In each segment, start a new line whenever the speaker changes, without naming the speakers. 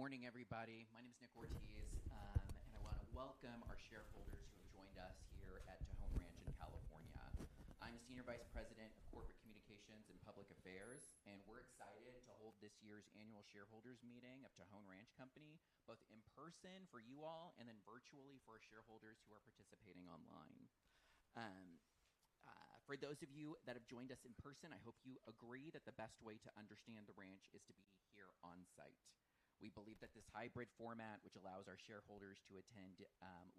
Well, good morning, everybody. My name is Nicholas Ortiz, I want to welcome our shareholders who have joined us here at Tejon Ranch in California. I'm Senior Vice President of Corporate Communications and Public Affairs. We're excited to hold this year's annual shareholders meeting of Tejon Ranch Company, both in person for you all, virtually for our shareholders who are participating online. For those of you that have joined us in person, I hope you agree that the best way to understand the ranch is to be here on site. We believe that this hybrid format, which allows our shareholders to attend,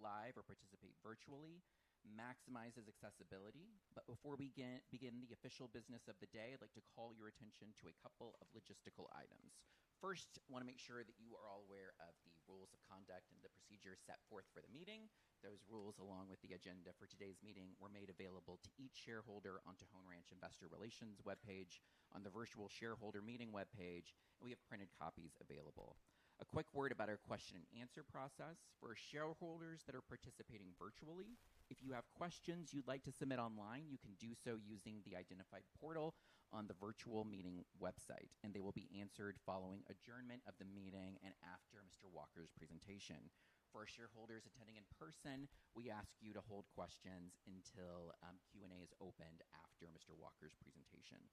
live or participate virtually, maximizes accessibility. Before we begin the official business of the day, I'd like to call your attention to a couple of logistical items. First, want to make sure that you are all aware of the rules of conduct and the procedures set forth for the meeting. Those rules, along with the agenda for today's meeting, were made available to each shareholder on Tejon Ranch investor relations webpage, on the virtual shareholder meeting webpage, and we have printed copies available. A quick word about our question and answer process. For shareholders that are participating virtually, if you have questions you'd like to submit online, you can do so using the identified portal on the virtual meeting website, and they will be answered following adjournment of the meeting and after Mr. Walker's presentation. For our shareholders attending in person, we ask you to hold questions until Q&A is opened after Mr. Walker's presentation.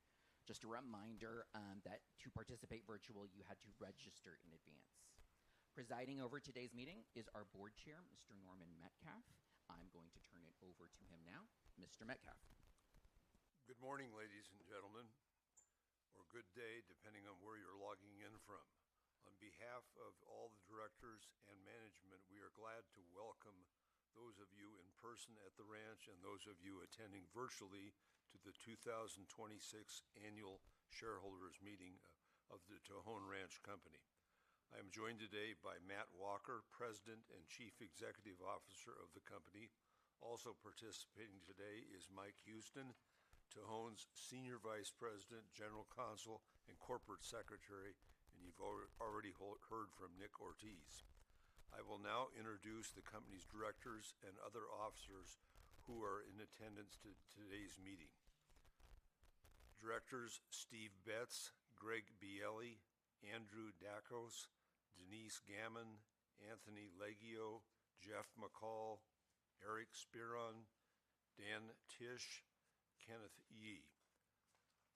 Just a reminder that to participate virtual, you had to register in advance. Presiding over today's meeting is our Board Chair, Mr. Norman Metcalfe. I'm going to turn it over to him now. Mr. Metcalfe.
Good morning, ladies and gentlemen, or good day, depending on where you're logging in from. On behalf of all the directors and management, we are glad to welcome those of you in person at the ranch and those of you attending virtually to the 2026 Annual Shareholders Meeting of the Tejon Ranch Co. I'm joined today by Matt Walker, President and Chief Executive Officer of the company. Also participating today is Mike Houston, Tejon's Senior Vice President, General Counsel, and Corporate Secretary, and you've already heard from Nick Ortiz. I will now introduce the company's directors and other officers who are in attendance to today's meeting. Directors Steve Betts, Greg Bielli, Andrew Dakos, Denise Gammon, Anthony Leggio, Jeff McCall, Eric Speron, Dan Tisch, Kenneth Yee.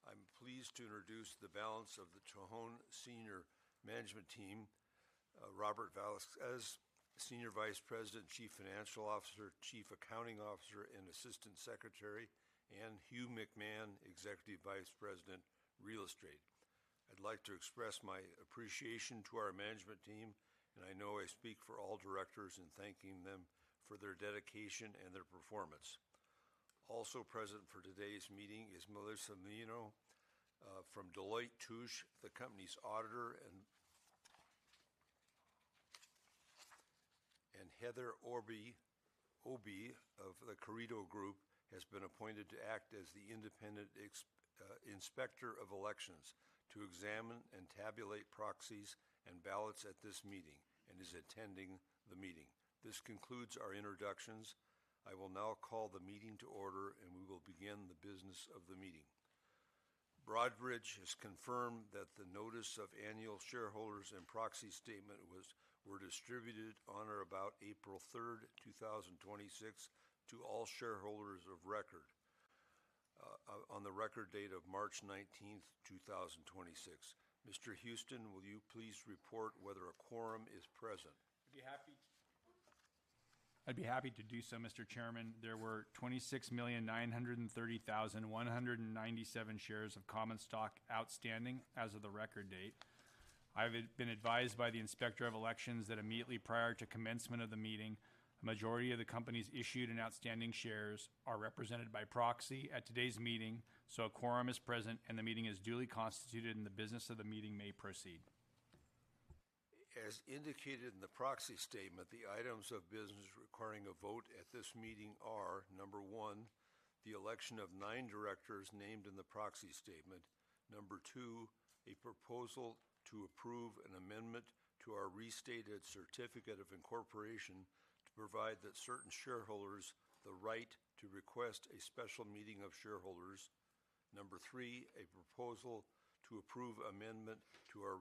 I'm pleased to introduce the balance of the Tejon senior management team, Robert D. Velasquez, Senior Vice President, Chief Financial Officer, Chief Accounting Officer, and Assistant Secretary, and Hugh McMahon, Executive Vice President, Real Estate. I'd like to express my appreciation to our management team, and I know I speak for all directors in thanking them for their dedication and their performance. Also present for today's meeting is Melissa Mino, from Deloitte & Touche, the company's auditor, and Heather of The Carideo Group has been appointed to act as the independent Inspector of Elections to examine and tabulate proxies and ballots at this meeting, and is attending the meeting. This concludes our introductions. I will now call the meeting to order, and we will begin the business of the meeting. Broadridge has confirmed that the notice of annual shareholders and proxy statement were distributed on or about April 3rd, 2026, to all shareholders of record on the record date of March 19th, 2026. Mr. Houston, will you please report whether a quorum is present?
I'd be happy to do so, Mr. Chairman. There were 26,930,197 shares of common stock outstanding as of the record date. I've been advised by the Inspector of Elections that immediately prior to commencement of the meeting, a majority of the company's issued and outstanding shares are represented by proxy at today's meeting. A quorum is present, and the meeting is duly constituted, and the business of the meeting may proceed.
As indicated in the proxy statement, the items of business requiring a vote at this meeting are, number 1, the election of nine directors named in the proxy statement. Number 2, a proposal to approve an amendment to our restated certificate of incorporation to provide that certain shareholders the right to request a special meeting of shareholders. Number 3, a proposal to approve amendment to our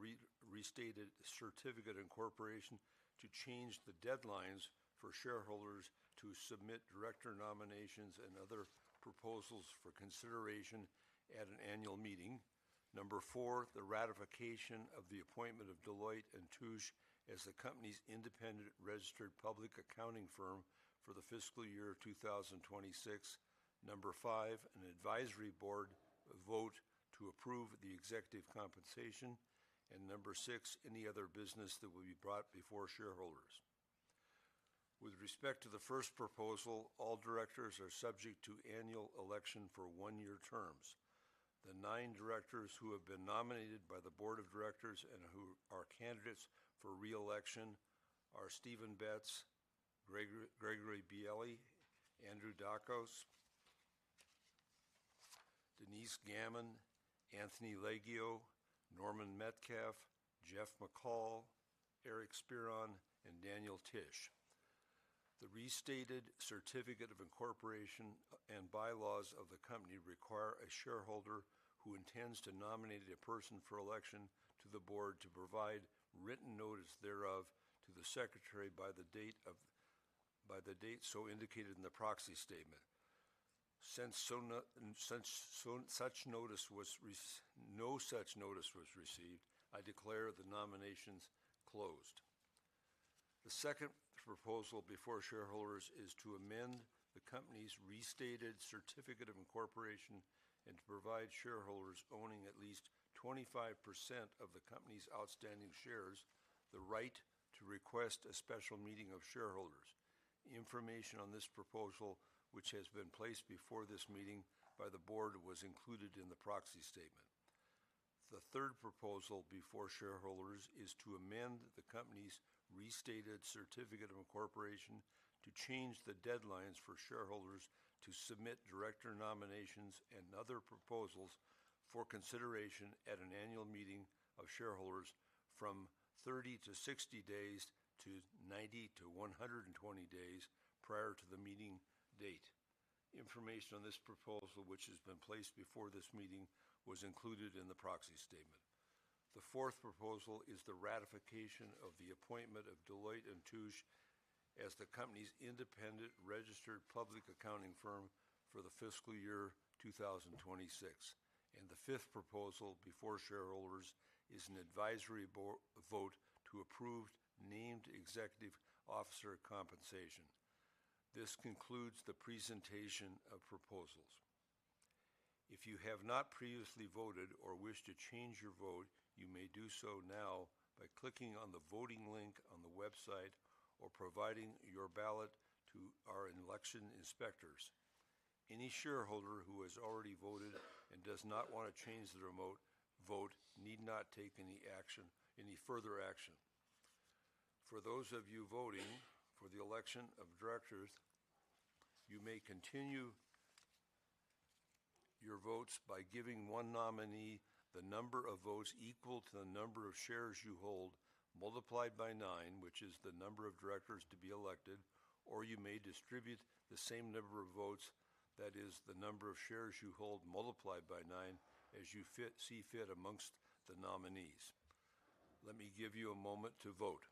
restated certificate of incorporation to change the deadlines for shareholders to submit director nominations and other proposals for consideration at an annual meeting. Number 4, the ratification of the appointment of Deloitte & Touche as the company's independent registered public accounting firm for the fiscal year of 2026. Number 5, an advisory board vote to approve the executive compensation. Number 6, any other business that will be brought before shareholders. With respect to the first proposal, all directors are subject to annual election for 1-year terms. The nine directors who have been nominated by the board of directors and who are candidates for re-election are Steven Betts, Gregory Bielli, Andrew Dakos, Denise Gammon, Anthony Leggio, Norman Metcalfe, Jeff McCall, Eric Speron, and Daniel Tisch. The restated certificate of incorporation and bylaws of the company require a shareholder who intends to nominate a person for election to the board to provide written notice thereof to the secretary by the date so indicated in the proxy statement. No such notice was received, I declare the nominations closed. The second proposal before shareholders is to amend the company's restated certificate of incorporation and to provide shareholders owning at least 25% of the company's outstanding shares the right to request a special meeting of shareholders. Information on this proposal, which has been placed before this meeting by the board, was included in the proxy statement. The third proposal before shareholders is to amend the company's restated certificate of incorporation to change the deadlines for shareholders to submit director nominations and other proposals for consideration at an annual meeting of shareholders from 30-60 days to 90-120 days prior to the meeting date. Information on this proposal, which has been placed before this meeting, was included in the proxy statement. The fourth proposal is the ratification of the appointment of Deloitte & Touche as the company's independent registered public accounting firm for the fiscal year 2026. The fifth proposal before shareholders is an advisory vote to approve named executive officer compensation. This concludes the presentation of proposals. If you have not previously voted or wish to change your vote, you may do so now by clicking on the voting link on the website or providing your ballot to our election inspectors. Any shareholder who has already voted and does not want to change their remote vote need not take any further action. For those of you voting for the election of directors, you may continue your votes by giving one nominee the number of votes equal to the number of shares you hold multiplied by nine, which is the number of directors to be elected, or you may distribute the same number of votes, that is the number of shares you hold multiplied by nine, as you see fit amongst the nominees. Let me give you a moment to vote.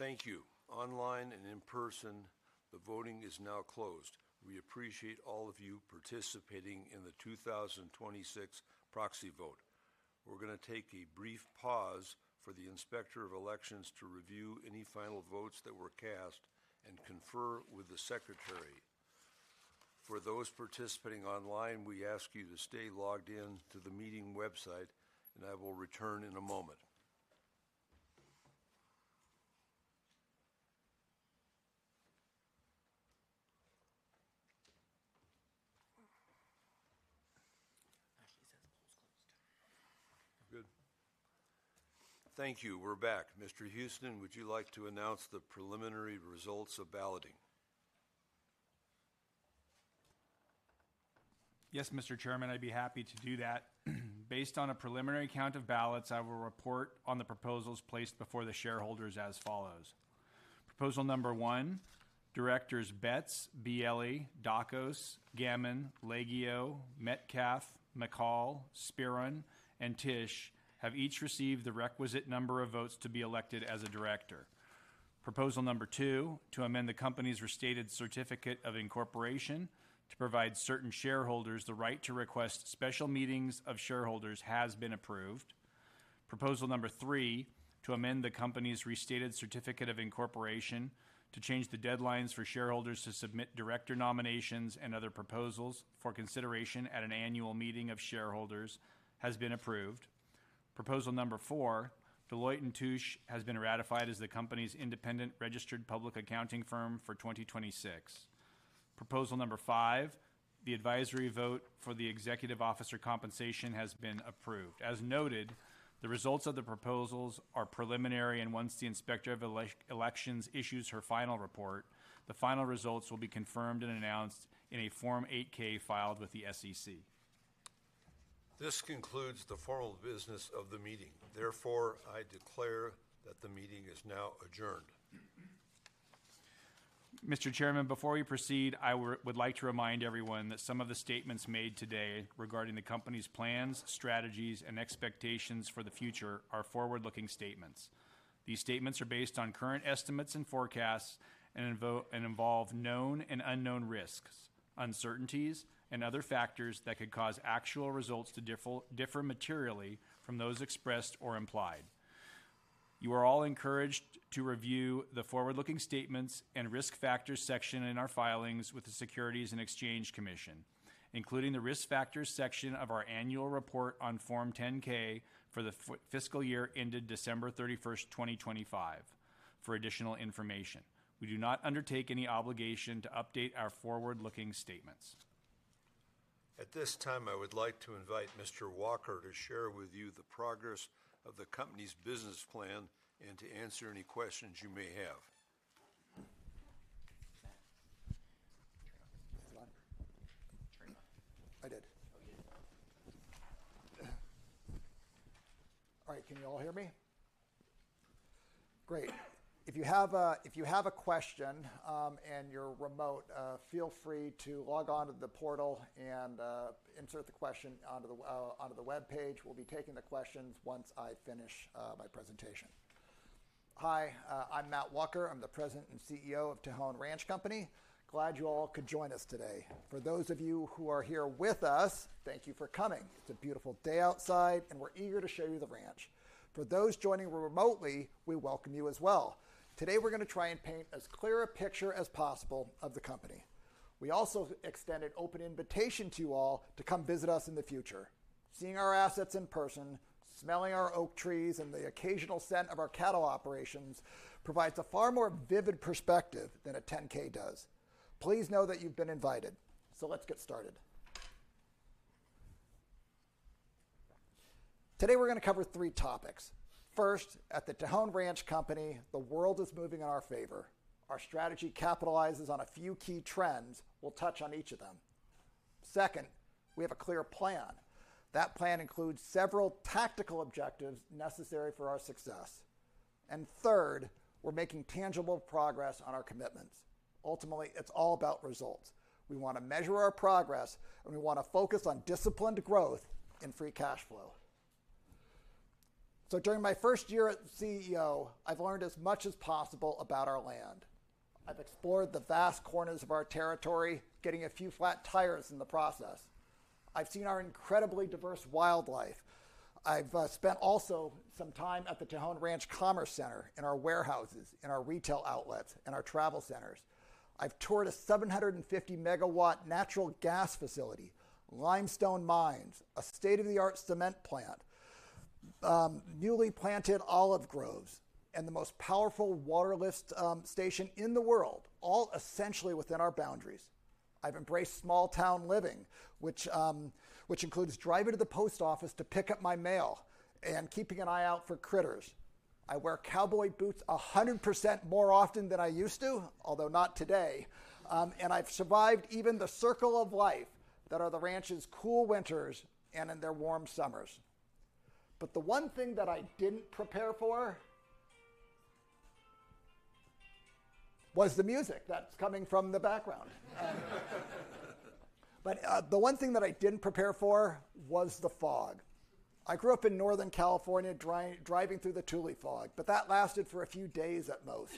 Thank you. Online and in person, the voting is now closed. We appreciate all of you participating in the 2026 proxy vote. We're going to take a brief pause for the inspector of elections to review any final votes that were cast and confer with the secretary. For those participating online, we ask you to stay logged in to the meeting website, and I will return in a moment.
Actually it says the poll's closed.
Good. Thank you. We're back. Mr. Houston, would you like to announce the preliminary results of balloting?
Yes, Mr. Chairman, I'd be happy to do that. Based on a preliminary count of ballots, I will report on the proposals placed before the shareholders as follows. Proposal 1, Directors Betts, Bielli, Dakos, Gammon, Leggio, Metcalfe, McCall, Speron, and Tisch have each received the requisite number of votes to be elected as a Director. Proposal 2, to amend the company's restated certificate of incorporation to provide certain shareholders the right to request special meetings of shareholders, has been approved. Proposal 3, to amend the company's restated certificate of incorporation to change the deadlines for shareholders to submit director nominations and other proposals for consideration at an annual meeting of shareholders, has been approved. Proposal 4, Deloitte & Touche has been ratified as the company's independent registered public accounting firm for 2026. Proposal 5, the advisory vote for the executive officer compensation has been approved. As noted, the results of the proposals are preliminary, and once the inspector of elections issues her final report, the final results will be confirmed and announced in a Form 8-K filed with the SEC.
This concludes the formal business of the meeting. Therefore, I declare that the meeting is now adjourned.
Mr. Chairman, before we proceed, I would like to remind everyone that some of the statements made today regarding the company's plans, strategies, and expectations for the future are forward-looking statements. These statements are based on current estimates and forecasts and involve known and unknown risks, uncertainties, and other factors that could cause actual results to differ materially from those expressed or implied. You are all encouraged to review the forward-looking statements and risk factors section in our filings with the Securities and Exchange Commission, including the risk factors section of our annual report on Form 10-K for the fiscal year ended December 31st, 2025 for additional information. We do not undertake any obligation to update our forward-looking statements.
At this time, I would like to invite Mr. Walker to share with you the progress of the company's business plan and to answer any questions you may have.
I did.
[inaudible]
All right. Can you all hear me? Great. If you have a question, and you're remote, feel free to log on to the portal and insert the question onto the webpage. We'll be taking the questions once I finish my presentation. Hi, I'm Matt Walker. I'm the President and CEO of Tejon Ranch Company. Glad you all could join us today. For those of you who are here with us, thank you for coming. It's a beautiful day outside, and we're eager to show you the ranch. For those joining remotely, we welcome you as well. Today, we're going to try and paint as clear a picture as possible of the company. We also extend an open invitation to you all to come visit us in the future. Seeing our assets in person, smelling our oak trees and the occasional scent of our cattle operations provides a far more vivid perspective than a 10-K does. Please know that you've been invited. Let's get started. Today, we're going to cover three topics. First, at the Tejon Ranch Company, the world is moving in our favor. Our strategy capitalizes on a few key trends. We'll touch on each of them. Second, we have a clear plan. That plan includes several tactical objectives necessary for our success. Third, we're making tangible progress on our commitments. Ultimately, it's all about results. We want to measure our progress, and we want to focus on disciplined growth and free cash flow. During my first year as CEO, I've learned as much as possible about our land. I've explored the vast corners of our territory, getting a few flat tires in the process. I've seen our incredibly diverse wildlife. I've spent also some time at the Tejon Ranch Commerce Center, in our warehouses, in our retail outlets, in our travel centers. I've toured a 750 MW natural gas facility, limestone mines, a state-of-the-art cement plant, newly planted olive groves, and the most powerful water lift station in the world, all essentially within our boundaries. I've embraced small town living, which includes driving to the post office to pick up my mail and keeping an eye out for critters. I wear cowboy boots 100% more often than I used to, although not today. I've survived even the circle of life that are the Tejon Ranch's cool winters and in their warm summers. The one thing that I didn't prepare for was the music that's coming from the background. The one thing that I didn't prepare for was the fog. I grew up in Northern California driving through the Tule fog, but that lasted for a few days at most.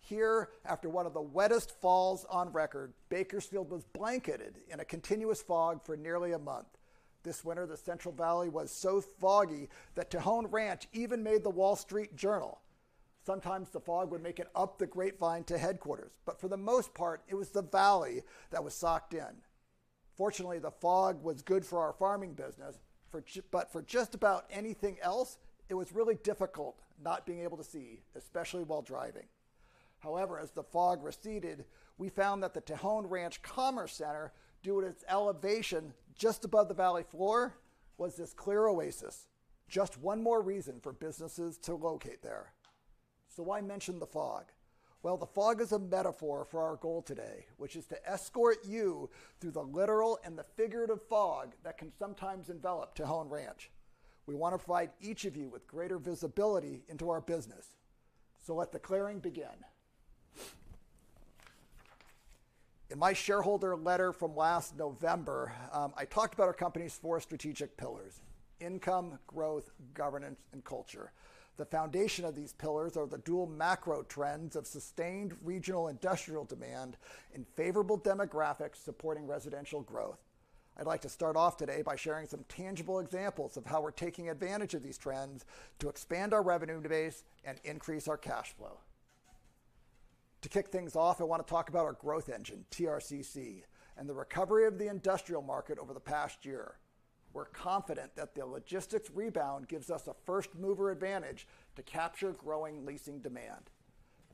Here, after one of the wettest falls on record, Bakersfield was blanketed in a continuous fog for nearly a month. This winter, the Central Valley was so foggy that Tejon Ranch even made The Wall Street Journal. Sometimes the fog would make it up the Grapevine to headquarters, but for the most part, it was the valley that was socked in. Fortunately, the fog was good for our farming business, but for just about anything else, it was really difficult not being able to see, especially while driving. However, as the fog receded, we found that the Tejon Ranch Commerce Center, due to its elevation just above the valley floor, was this clear oasis. Just one more reason for businesses to locate there. Why mention the fog? Well, the fog is a metaphor for our goal today, which is to escort you through the literal and the figurative fog that can sometimes envelop Tejon Ranch. We want to provide each of you with greater visibility into our business. Let the clearing begin. In my shareholder letter from last November, I talked about our company's four strategic pillars, income, growth, governance, and culture. The foundation of these pillars are the dual macro trends of sustained regional industrial demand and favorable demographics supporting residential growth. I'd like to start off today by sharing some tangible examples of how we're taking advantage of these trends to expand our revenue base and increase our cash flow. To kick things off, I want to talk about our growth engine, TRCC, and the recovery of the industrial market over the past year. We're confident that the logistics rebound gives us a first-mover advantage to capture growing leasing demand.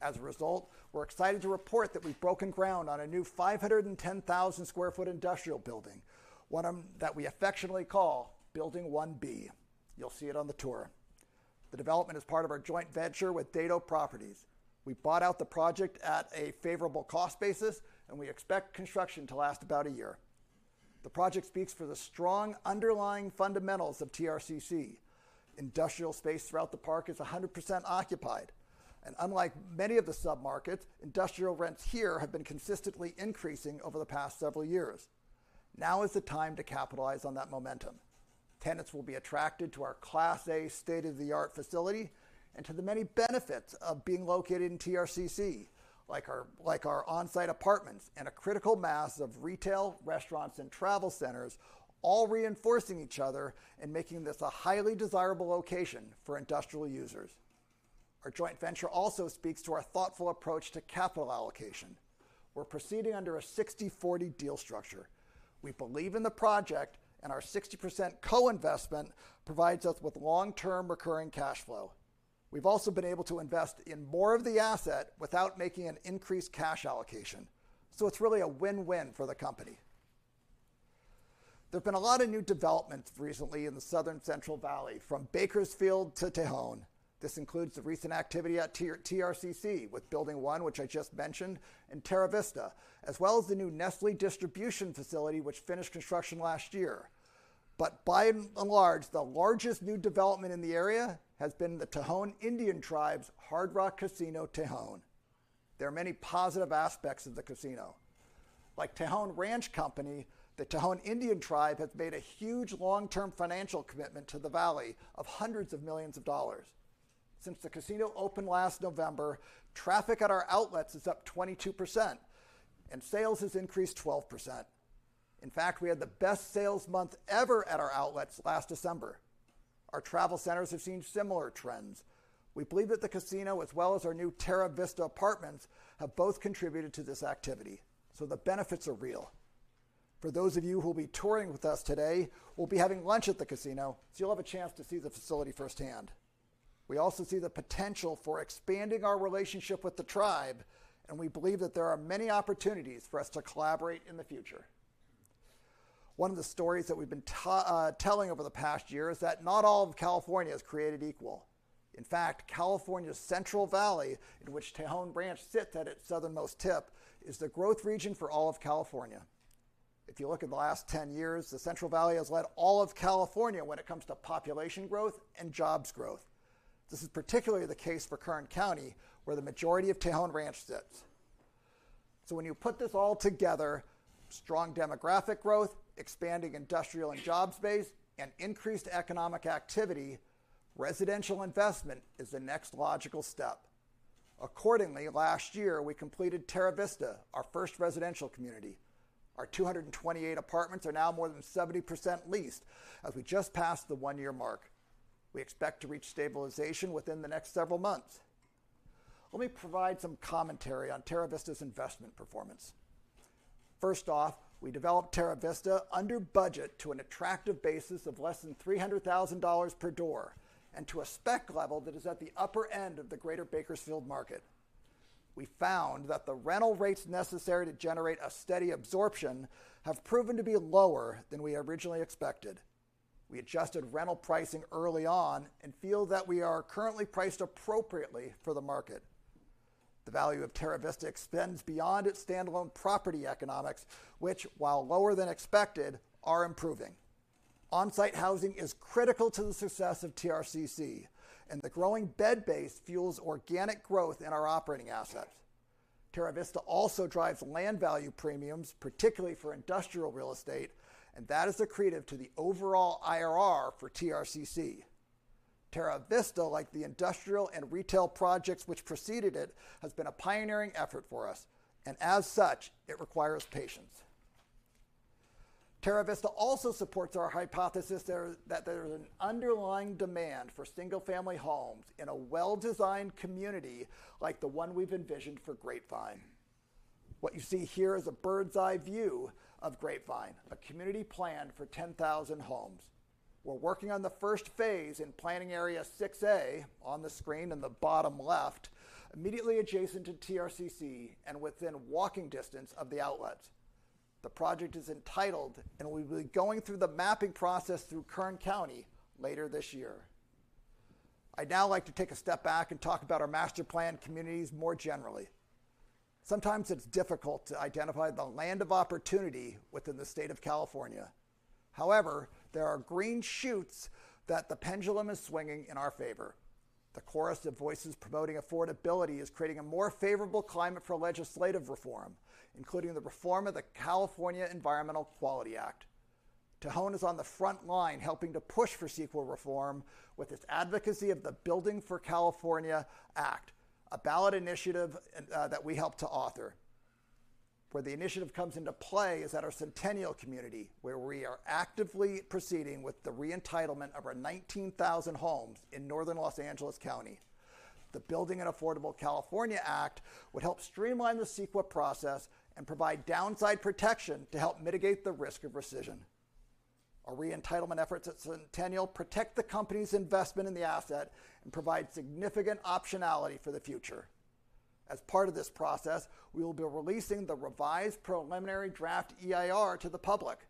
As a result, we're excited to report that we've broken ground on a new 510,000 sq ft industrial building, one that we affectionately call Building 1B. You'll see it on the tour. The development is part of our joint venture with Dedeaux Properties. We bought out the project at a favorable cost basis, and we expect construction to last about one year. The project speaks for the strong underlying fundamentals of TRCC. Industrial space throughout the park is 100% occupied. Unlike many of the submarkets, industrial rents here have been consistently increasing over the past several years. Now is the time to capitalize on that momentum. Tenants will be attracted to our Class A state-of-the-art facility and to the many benefits of being located in TRCC, like our on-site apartments and a critical mass of retail, restaurants, and travel centers, all reinforcing each other and making this a highly desirable location for industrial users. Our joint venture also speaks to our thoughtful approach to capital allocation. We're proceeding under a 60/40 deal structure. We believe in the project. Our 60% co-investment provides us with long-term recurring cash flow. We've also been able to invest in more of the asset without making an increased cash allocation. It's really a win-win for the company. There have been a lot of new developments recently in the southern Central Valley, from Bakersfield to Tejon. This includes the recent activity at TRCC with Building One, which I just mentioned, and Terra Vista, as well as the new Nestlé distribution facility which finished construction last year. By and large, the largest new development in the area has been the Tejon Indian Tribe's Hard Rock Casino Tejon. There are many positive aspects of the casino. Like Tejon Ranch Company, the Tejon Indian Tribe has made a huge long-term financial commitment to the valley of hundreds of millions of dollars. Since the casino opened last November, traffic at our outlets is up 22% and sales has increased 12%. In fact, we had the best sales month ever at our outlets last December. Our travel centers have seen similar trends. We believe that the casino, as well as our new Terra Vista apartments, have both contributed to this activity, the benefits are real. For those of you who will be touring with us today, we'll be having lunch at the casino, you'll have a chance to see the facility firsthand. We also see the potential for expanding our relationship with the tribe, we believe that there are many opportunities for us to collaborate in the future. One of the stories that we've been telling over the past year is that not all of California is created equal. In fact, California's Central Valley, in which Tejon Ranch sits at its southernmost tip, is the growth region for all of California. If you look at the last 10 years, the Central Valley has led all of California when it comes to population growth and jobs growth. This is particularly the case for Kern County, where the majority of Tejon Ranch sits. When you put this all together, strong demographic growth, expanding industrial and job space, and increased economic activity, residential investment is the next logical step. Accordingly, last year we completed Terra Vista, our first residential community. Our 228 apartments are now more than 70% leased as we just passed the one-year mark. We expect to reach stabilization within the next several months. Let me provide some commentary on Terra Vista's investment performance. First off, we developed Terra Vista under budget to an attractive basis of less than $300,000 per door and to a spec level that is at the upper end of the greater Bakersfield market. We found that the rental rates necessary to generate a steady absorption have proven to be lower than we originally expected. We adjusted rental pricing early on and feel that we are currently priced appropriately for the market. The value of Terra Vista extends beyond its standalone property economics, which, while lower than expected, are improving. On-site housing is critical to the success of TRCC, and the growing bed base fuels organic growth in our operating assets. Terra Vista also drives land value premiums, particularly for industrial real estate, and that is accretive to the overall IRR for TRCC. Terra Vista, like the industrial and retail projects which preceded it, has been a pioneering effort for us, and as such, it requires patience. Terra Vista also supports our hypothesis that there is an underlying demand for single-family homes in a well-designed community like the one we've envisioned for Grapevine. What you see here is a bird's-eye view of Grapevine, a community plan for 10,000 homes. We're working on the first phase in planning area 6-A on the screen in the bottom left, immediately adjacent to TRCC and within walking distance of the outlets. The project is entitled. We'll be going through the mapping process through Kern County later this year. I'd now like to take a step back and talk about our master-planned communities more generally. Sometimes it's difficult to identify the land of opportunity within the state of California. There are green shoots that the pendulum is swinging in our favor. The chorus of voices promoting affordability is creating a more favorable climate for legislative reform, including the reform of the California Environmental Quality Act. Tejon is on the front line helping to push for CEQA reform with its advocacy of the Building an Affordable California Act, a ballot initiative that we helped to author. Where the initiative comes into play is at our Centennial, where we are actively proceeding with the re-entitlement of our 19,000 homes in northern L.A. County. The Building an Affordable California Act would help streamline the CEQA process and provide downside protection to help mitigate the risk of rescission. Our re-entitlement efforts at Centennial protect the company's investment in the asset and provide significant optionality for the future. As part of this process, we will be releasing the revised preliminary draft EIR to the public.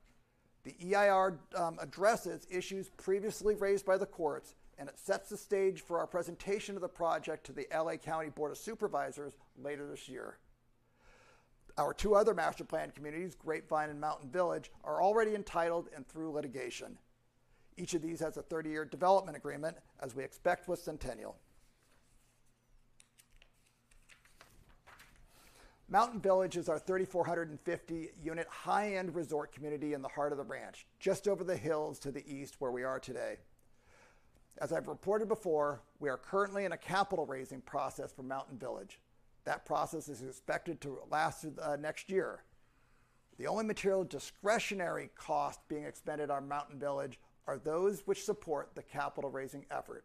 The EIR addresses issues previously raised by the courts, and it sets the stage for our presentation of the project to the L.A. County Board of Supervisors later this year. Our two other master plan communities, Grapevine and Mountain Village, are already entitled and through litigation. Each of these has a 30-year development agreement, as we expect with Centennial. Mountain Village is our 3,450 unit high-end resort community in the heart of the Ranch, just over the hills to the east where we are today. As I've reported before, we are currently in a capital raising process for Mountain Village. That process is expected to last next year. The only material discretionary cost being expended on Mountain Village are those which support the capital raising effort.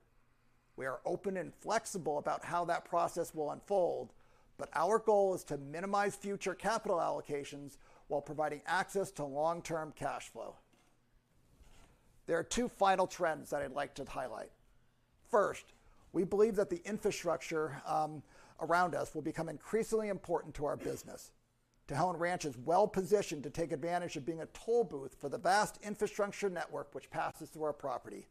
We are open and flexible about how that process will unfold, but our goal is to minimize future capital allocations while providing access to long-term cash flow. There are two final trends that I'd like to highlight. First, we believe that the infrastructure around us will become increasingly important to our business. Tejon Ranch is well-positioned to take advantage of being a toll booth for the vast infrastructure network which passes through our property.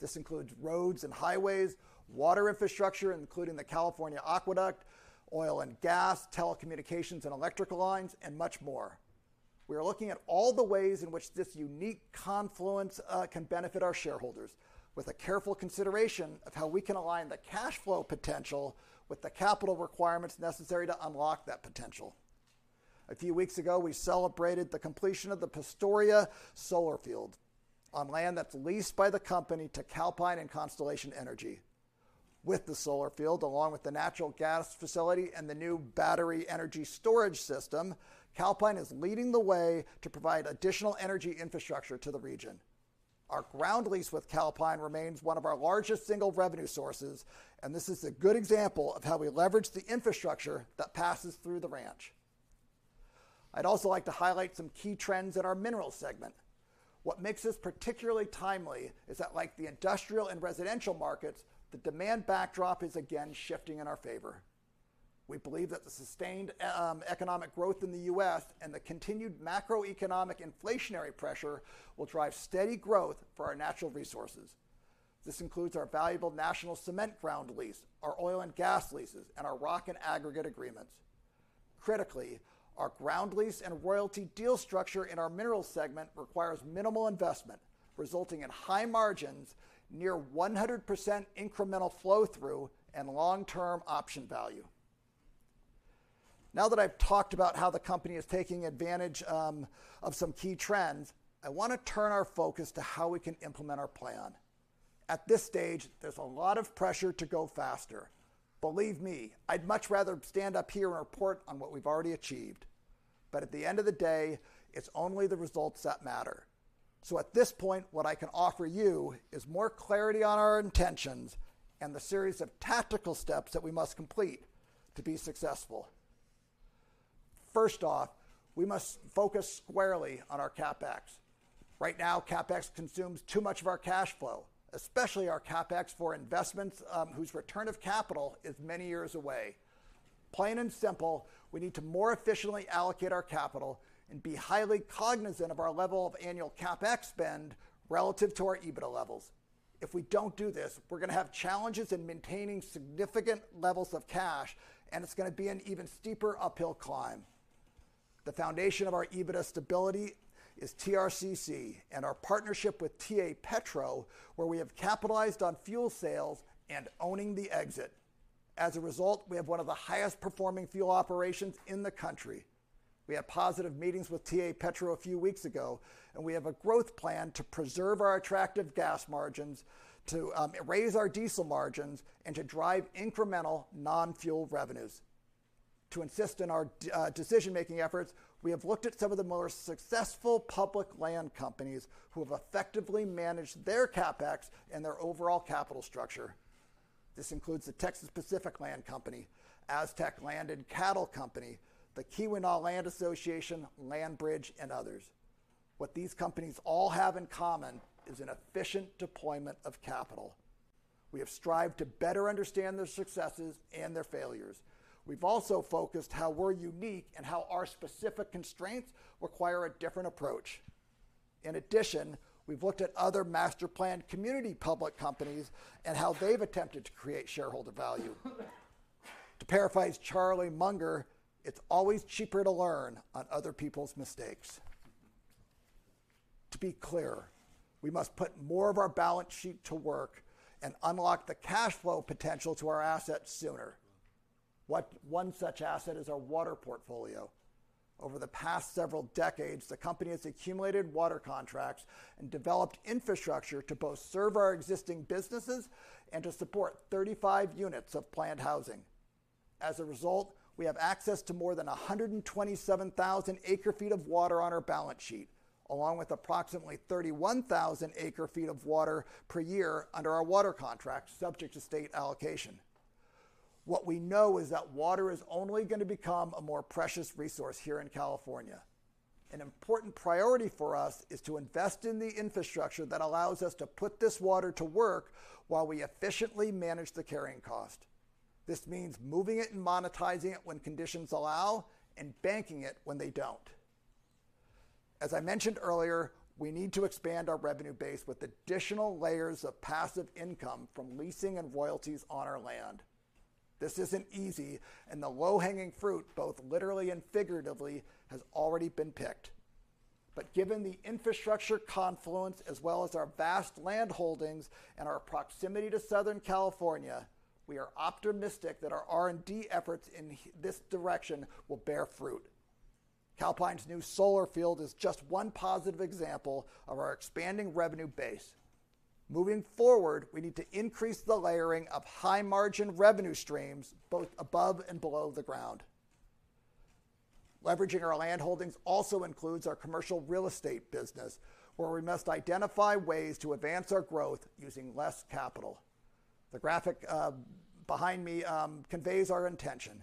This includes roads and highways, water infrastructure, including the California Aqueduct, oil and gas, telecommunications and electrical lines, and much more. We are looking at all the ways in which this unique confluence can benefit our shareholders with a careful consideration of how we can align the cash flow potential with the capital requirements necessary to unlock that potential. A few weeks ago, we celebrated the completion of the Pastoria Solar Field on land that's leased by the company to Calpine and Constellation Energy. With the solar field, along with the natural gas facility and the new battery energy storage system, Calpine is leading the way to provide additional energy infrastructure to the region. Our ground lease with Calpine remains one of our largest single revenue sources, and this is a good example of how we leverage the infrastructure that passes through the ranch. I'd also like to highlight some key trends in our minerals segment. What makes this particularly timely is that like the industrial and residential markets, the demand backdrop is again shifting in our favor. We believe that the sustained economic growth in the U.S. and the continued macroeconomic inflationary pressure will drive steady growth for our natural resources. This includes our valuable National Cement ground lease, our oil and gas leases, and our rock and aggregate agreements. Critically, our ground lease and royalty deal structure in our minerals segment requires minimal investment, resulting in high margins, near 100% incremental flow-through, and long-term option value. Now that I've talked about how the company is taking advantage of some key trends, I want to turn our focus to how we can implement our plan. At this stage, there's a lot of pressure to go faster. Believe me, I'd much rather stand up here and report on what we've already achieved. At the end of the day, it's only the results that matter. At this point, what I can offer you is more clarity on our intentions and the series of tactical steps that we must complete to be successful. First off, we must focus squarely on our CapEx. Right now, CapEx consumes too much of our cash flow, especially our CapEx for investments, whose return of capital is many years away. Plain and simple, we need to more efficiently allocate our capital and be highly cognizant of our level of annual CapEx spend relative to our EBITDA levels. If we don't do this, we're going to have challenges in maintaining significant levels of cash, and it's going to be an even steeper uphill climb. The foundation of our EBITDA stability is TRCC and our partnership with TA Petro, where we have capitalized on fuel sales and owning the exit. As a result, we have one of the highest performing fuel operations in the country. We had positive meetings with TA Petro a few weeks ago, and we have a growth plan to preserve our attractive gas margins, to raise our diesel margins, and to drive incremental non-fuel revenues. To assist in our decision-making efforts, we have looked at some of the more successful public land companies who have effectively managed their CapEx and their overall capital structure. This includes the Texas Pacific Land Corporation, Aztec Land and Cattle Company, the Keweenaw Land Association, Limited, Landbridge, and others. What these companies all have in common is an efficient deployment of capital. We have strived to better understand their successes and their failures. We've also focused on how we're unique and how our specific constraints require a different approach. In addition, we've looked at other master-planned community public companies and how they've attempted to create shareholder value. To paraphrase Charlie Munger, "It's always cheaper to learn on other people's mistakes." To be clear, we must put more of our balance sheet to work and unlock the cash flow potential to our assets sooner. One such asset is our water portfolio. Over the past several decades, the company has accumulated water contracts and developed infrastructure to both serve our existing businesses and to support 35 units of planned housing. As a result, we have access to more than 127,000 acre-feet of water on our balance sheet, along with approximately 31,000 acre-feet of water per year under our water contract, subject to state allocation. What we know is that water is only going to become a more precious resource here in California. An important priority for us is to invest in the infrastructure that allows us to put this water to work while we efficiently manage the carrying cost. This means moving it and monetizing it when conditions allow, and banking it when they don't. As I mentioned earlier, we need to expand our revenue base with additional layers of passive income from leasing and royalties on our land. This isn't easy, and the low-hanging fruit, both literally and figuratively, has already been picked. Given the infrastructure confluence, as well as our vast land holdings and our proximity to Southern California, we are optimistic that our R&D efforts in this direction will bear fruit. Calpine's new solar field is just one positive example of our expanding revenue base. Moving forward, we need to increase the layering of high-margin revenue streams, both above and below the ground. Leveraging our land holdings also includes our commercial real estate business, where we must identify ways to advance our growth using less capital. The graphic behind me conveys our intention.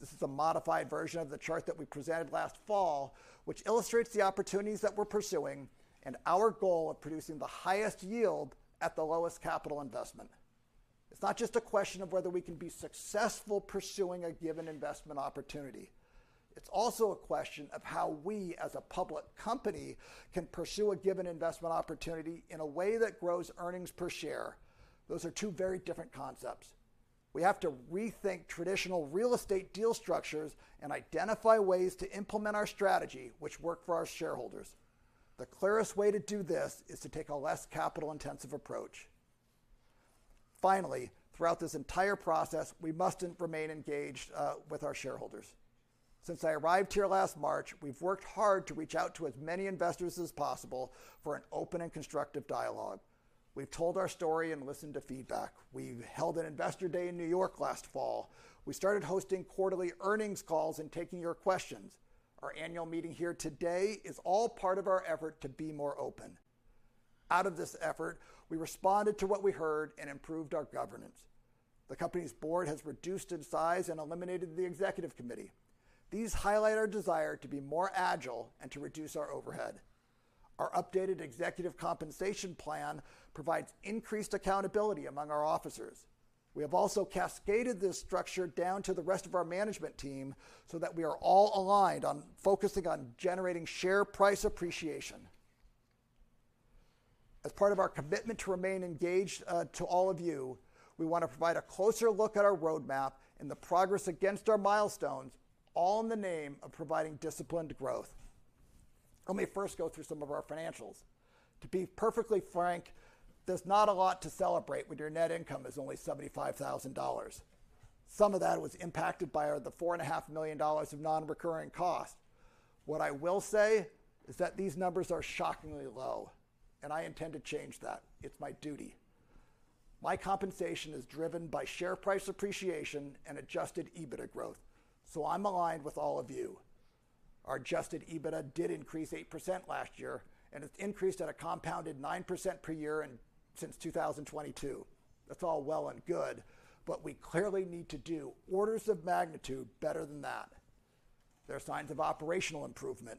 This is a modified version of the chart that we presented last fall, which illustrates the opportunities that we're pursuing and our goal of producing the highest yield at the lowest capital investment. It's not just a question of whether we can be successful pursuing a given investment opportunity. It's also a question of how we as a public company can pursue a given investment opportunity in a way that grows earnings per share. Those are two very different concepts. We have to rethink traditional real estate deal structures and identify ways to implement our strategy which work for our shareholders. The clearest way to do this is to take a less capital-intensive approach. Finally, throughout this entire process, we must remain engaged with our shareholders. Since I arrived here last March, we've worked hard to reach out to as many investors as possible for an open and constructive dialogue. We've told our story and listened to feedback. We've held an investor day in New York last fall. We started hosting quarterly earnings calls and taking your questions. Our annual meeting here today is all part of our effort to be more open. Out of this effort, we responded to what we heard and improved our governance. The company's board has reduced in size and eliminated the executive committee. These highlight our desire to be more agile and to reduce our overhead. Our updated executive compensation plan provides increased accountability among our officers. We have also cascaded this structure down to the rest of our management team so that we are all aligned on focusing on generating share price appreciation. As part of our commitment to remain engaged to all of you, we want to provide a closer look at our roadmap and the progress against our milestones, all in the name of providing disciplined growth. Let me first go through some of our financials. To be perfectly frank, there's not a lot to celebrate when your net income is only $75,000. Some of that was impacted by the four and a half million dollars of non-recurring costs. What I will say is that these numbers are shockingly low, and I intend to change that. It's my duty. My compensation is driven by share price appreciation and adjusted EBITDA growth, I'm aligned with all of you. Our adjusted EBITDA did increase 8% last year, and it's increased at a compounded 9% per year since 2022. That's all well and good, but we clearly need to do orders of magnitude better than that. There are signs of operational improvement.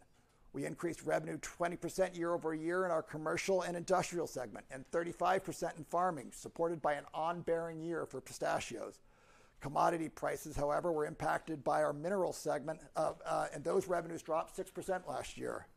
We increased revenue 20% year-over-year in our commercial and industrial segment, and 35% in farming, supported by an on-bearing year for pistachios. Commodity prices, however, were impacted by our mineral segment, and those revenues dropped 6% last year.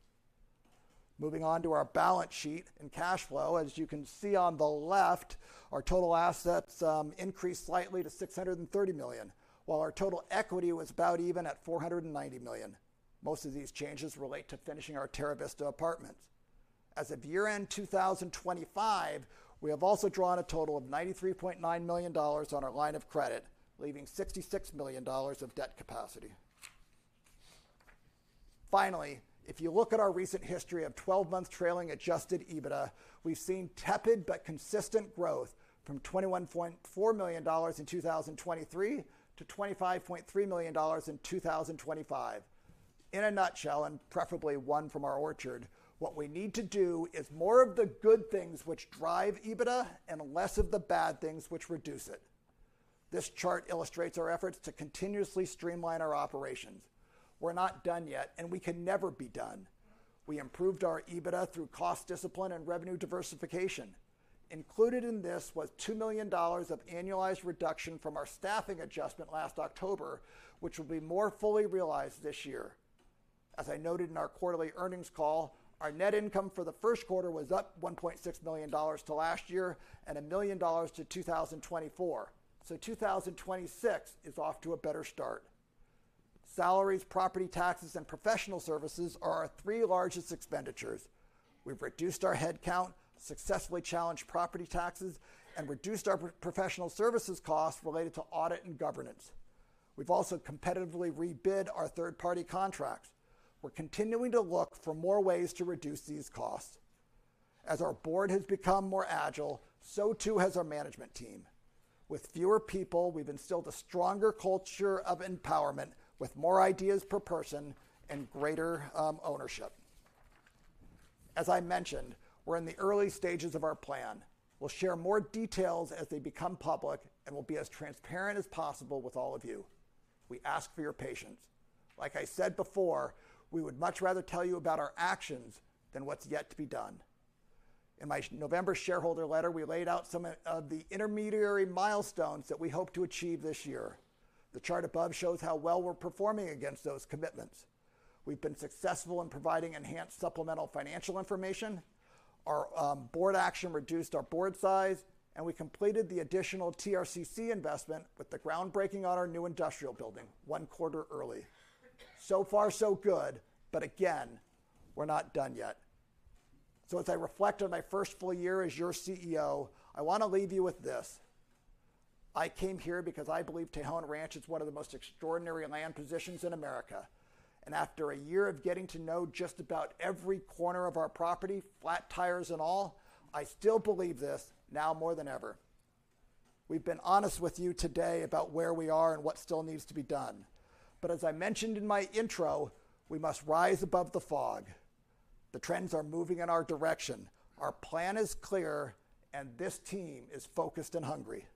Moving on to our balance sheet and cash flow. As you can see on the left, our total assets increased slightly to $630 million, while our total equity was about even at $490 million. Most of these changes relate to finishing our Terra Vista apartments. As of year-end 2025, we have also drawn a total of $93.9 million on our line of credit, leaving $66 million of debt capacity. Finally, if you look at our recent history of 12-month trailing adjusted EBITDA, we've seen tepid but consistent growth from $21.4 million in 2023 to $25.3 million in 2025. In a nutshell, and preferably one from our orchard, what we need to do is more of the good things which drive EBITDA and less of the bad things which reduce it. This chart illustrates our efforts to continuously streamline our operations. We're not done yet, and we can never be done. We improved our EBITDA through cost discipline and revenue diversification. Included in this was $2 million of annualized reduction from our staffing adjustment last October, which will be more fully realized this year. As I noted in our quarterly earnings call, our net income for the first quarter was up $1.6 million to last year and $1 million to 2024. 2026 is off to a better start. Salaries, property taxes, and professional services are our three largest expenditures. We've reduced our headcount, successfully challenged property taxes, and reduced our professional services costs related to audit and governance. We've also competitively rebid our third-party contracts. We're continuing to look for more ways to reduce these costs. As our board has become more agile, so too has our management team. With fewer people, we've instilled a stronger culture of empowerment with more ideas per person and greater ownership. As I mentioned, we're in the early stages of our plan. We'll share more details as they become public, and we'll be as transparent as possible with all of you. We ask for your patience. Like I said before, we would much rather tell you about our actions than what's yet to be done. In my November shareholder letter, we laid out some of the intermediary milestones that we hope to achieve this year. The chart above shows how well we're performing against those commitments. We've been successful in providing enhanced supplemental financial information. Our board action reduced our board size, and we completed the additional TRCC investment with the groundbreaking on our new industrial building one quarter early. Far so good, but again, we're not done yet. As I reflect on my first full year as your CEO, I want to leave you with this. I came here because I believe Tejon Ranch is one of the most extraordinary land positions in America. After a year of getting to know just about every corner of our property, flat tires and all, I still believe this now more than ever. We've been honest with you today about where we are and what still needs to be done. As I mentioned in my intro, we must rise above the fog. The trends are moving in our direction. Our plan is clear, and this team is focused and hungry.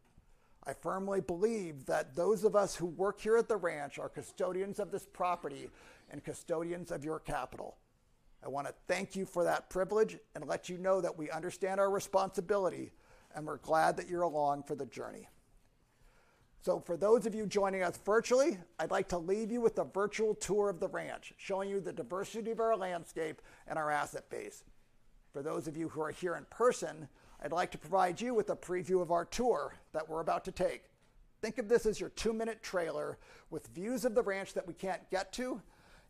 I firmly believe that those of us who work here at the ranch are custodians of this property and custodians of your capital. I want to thank you for that privilege and let you know that we understand our responsibility, and we're glad that you're along for the journey. For those of you joining us virtually, I'd like to leave you with a virtual tour of the Ranch, showing you the diversity of our landscape and our asset base. For those of you who are here in person, I'd like to provide you with a preview of our tour that we're about to take. Think of this as your two-minute trailer with views of the Ranch that we can't get to,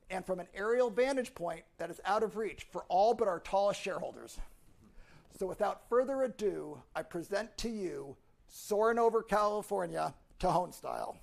and from an aerial vantage point that is out of reach for all but our tallest shareholders. Without further ado, I present to you Soarin' Over California Tejon Style.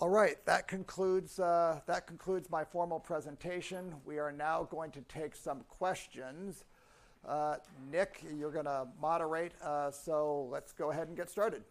All right, that concludes my formal presentation. We are now going to take some questions. Nick, you're going to moderate, so let's go ahead and get started.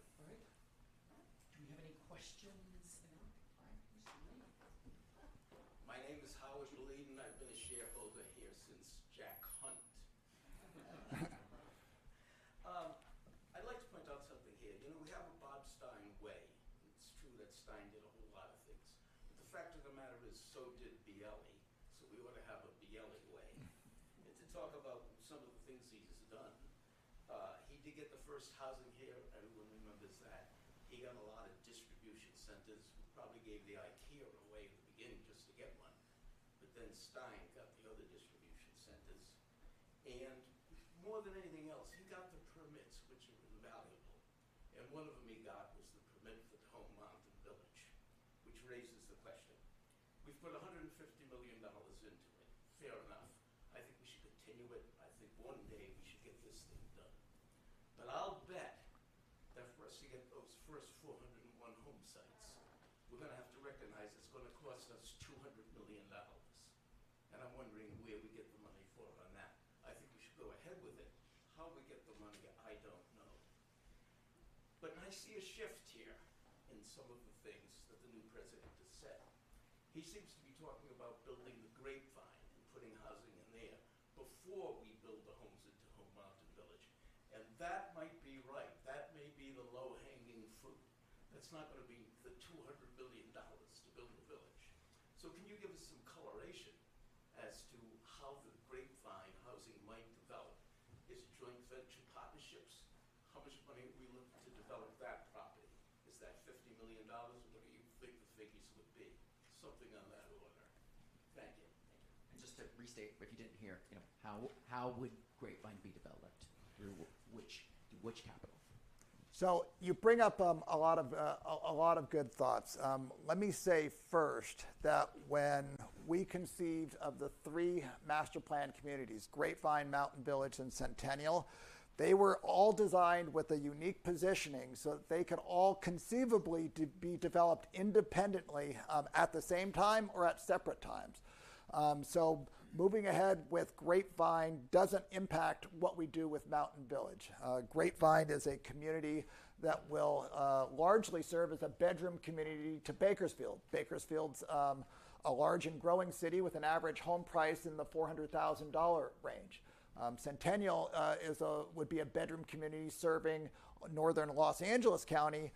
coloration as to how the Grapevine housing might develop? Is it joint venture partnerships? How much money are we looking to develop that property? Is that $50 million, or what do you think the figures would be? Something on that order. Thank you.
Thank you. Just to restate, if you didn't hear, you know, how would Grapevine be developed? Through which capital?
You bring up a lot of good thoughts. Let me say first that when we conceived of the three master-planned communities, Grapevine, Mountain Village, and Centennial, they were all designed with a unique positioning so that they could all conceivably be developed independently at the same time or at separate times. Moving ahead with Grapevine doesn't impact what we do with Mountain Village. Grapevine is a community that will largely serve as a bedroom community to Bakersfield. Bakersfield's a large and growing city with an average home price in the $400,000 range. Centennial would be a bedroom community serving northern Los Angeles County.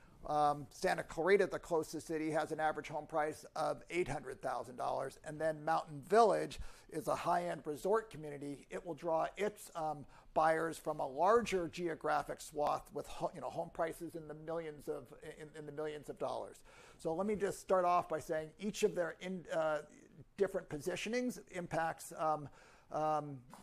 Santa Clarita, the closest city, has an average home price of $800,000. Mountain Village is a high-end resort community. It will draw its buyers from a larger geographic swath with you know, home prices in the millions of dollars. Let me just start off by saying each of their different positionings impacts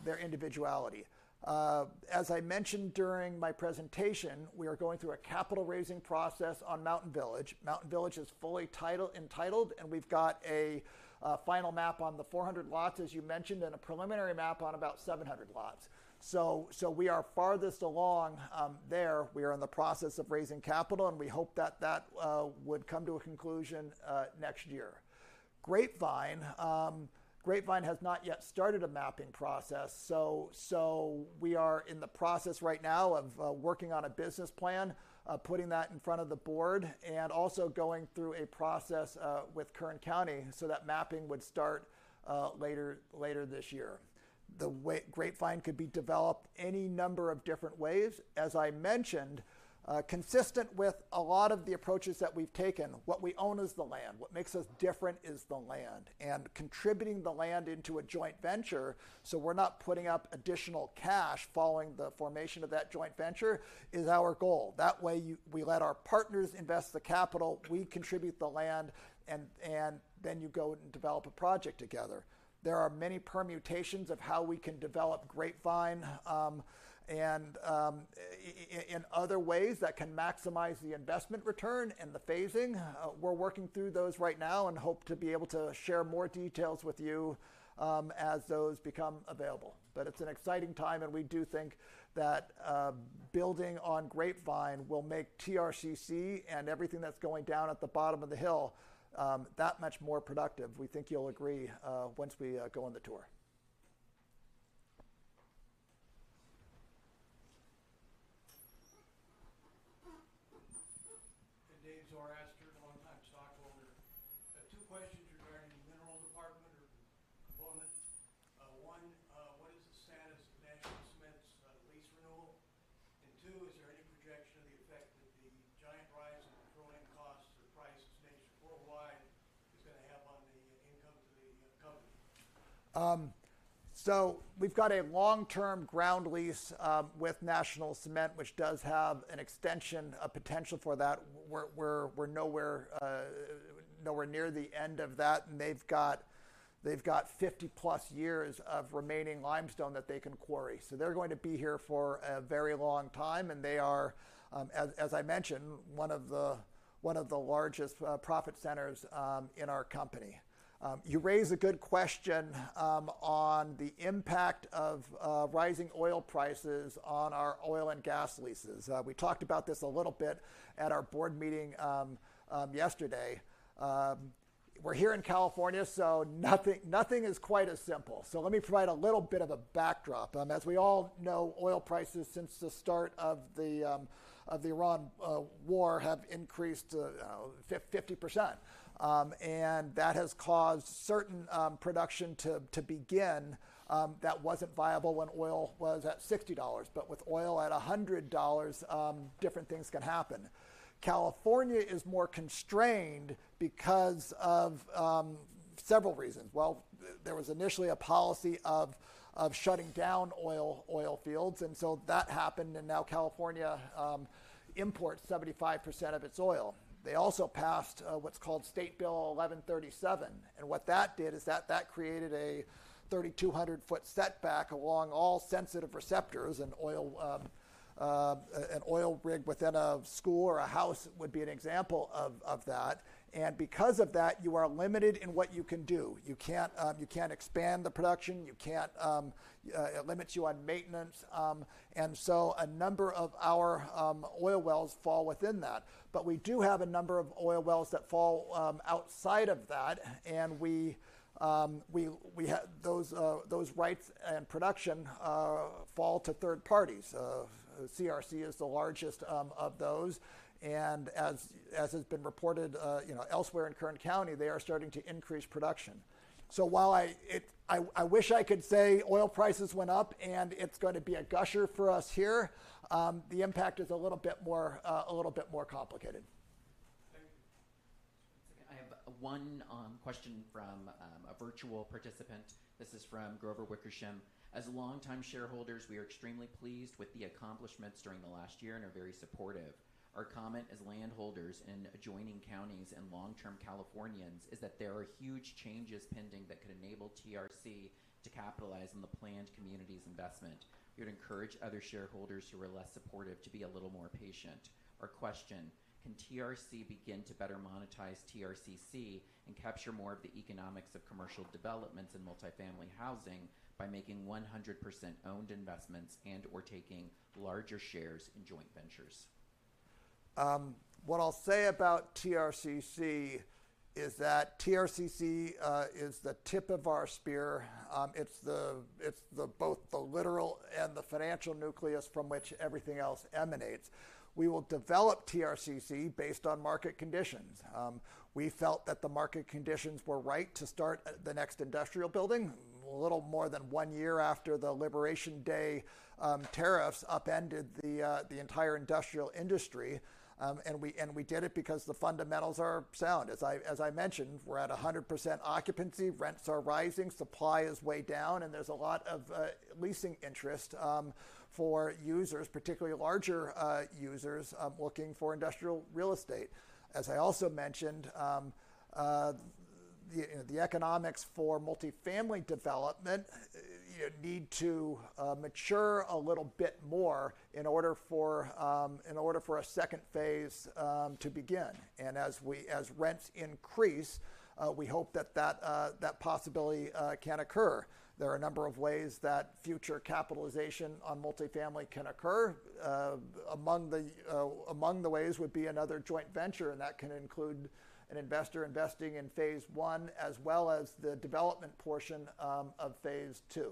their individuality. As I mentioned during my presentation, we are going through a capital raising process on Mountain Village. Mountain Village is fully entitled, and we've got a final map on the 400 lots, as you mentioned, and a preliminary map on about 700 lots. We are farthest along there. We are in the process of raising capital, and we hope that that would come to a conclusion next year. Grapevine has not yet started a mapping process. We are in the process right now of working on a business plan, putting that in front of the board and also going through a process with Kern County so that mapping would start later this year. The way Grapevine could be developed any number of different ways. As I mentioned, consistent with a lot of the approaches that we've taken, what we own is the land. What makes us different is the land, and contributing the land into a joint venture so we're not putting up additional cash following the formation of that joint venture is our goal. That way we let our partners invest the capital, we contribute the land, then you go and develop a project together. There are many permutations of how we can develop Grapevine, and in other ways that can maximize the investment return and the phasing. We're working through those right now and hope to be able to share more details with you as those become available. It's an exciting time, and we do think that building on Grapevine will make TRCC and everything that's going down at the bottom of the hill that much more productive. We think you'll agree once we go on the tour.
Dave Zoraster, longtime stockholder. I have two questions regarding the mineral department or component. One, what is the status of National Cement's lease renewal? Two, is there any projection of the effect that the giant rise in drilling costs or prices nationwide is going to have on the income to the company?
We've got a long-term ground lease with National Cement, which does have an extension, a potential for that. We're nowhere near the end of that. They've got 50+ years of remaining limestone that they can quarry. They're going to be here for a very long time, and they are, as I mentioned, one of the largest profit centers in our company. You raise a good question on the impact of rising oil prices on our oil and gas leases. We talked about this a little bit at our board meeting yesterday. We're here in California, nothing is quite as simple. Let me provide a little bit of a backdrop. As we all know, oil prices since the start of the Iran war have increased 50%. That has caused certain production to begin that wasn't viable when oil was at $60. With oil at $100, different things can happen. California is more constrained because of several reasons. There was initially a policy of shutting down oil fields. That happened. California imports 75% of its oil. They also passed what's called Senate Bill 1137, what that did is that created a 3,200 foot setback along all sensitive receptors. An oil rig within a school or a house would be an example of that, because of that, you are limited in what you can do. You can't expand the production. It limits you on maintenance. A number of our oil wells fall within that. We do have a number of oil wells that fall outside of that, and those rights and production fall to third parties. CRC is the largest of those. As has been reported elsewhere in Kern County, they are starting to increase production. While I wish I could say oil prices went up and it's going to be a gusher for us here, the impact is a little bit more, a little bit more complicated.
Thank you.
I have one question from a virtual participant. This is from Grover Wickersham. As longtime shareholders, we are extremely pleased with the accomplishments during the last year and are very supportive. Our comment as landholders in adjoining counties and long-term Californians is that there are huge changes pending that could enable TRC to capitalize on the planned community's investment. We would encourage other shareholders who are less supportive to be a little more patient. Our question, can TRC begin to better monetize TRCC and capture more of the economics of commercial developments, and multifamily housing by making 100% owned investments and/or taking larger shares in joint ventures?
What I'll say about TRCC is that TRCC is the tip of our spear. It's the both the literal and the financial nucleus from which everything else emanates. We will develop TRCC based on market conditions. We felt that the market conditions were right to start the next industrial building a little more than one year after the Liberation Day tariffs upended the entire industrial industry. We did it because the fundamentals are sound. As I mentioned, we're at 100% occupancy, rents are rising, supply is way down, and there's a lot of leasing interest for users, particularly larger users, looking for industrial real estate. As I also mentioned, the economics for multifamily development, you need to mature a little bit more in order for a second phase to begin. As rents increase, we hope that that possibility can occur. There are a number of ways that future capitalization on multifamily can occur. Among the ways would be another joint venture, and that can include an investor investing in phase I as well as the development portion of phase II.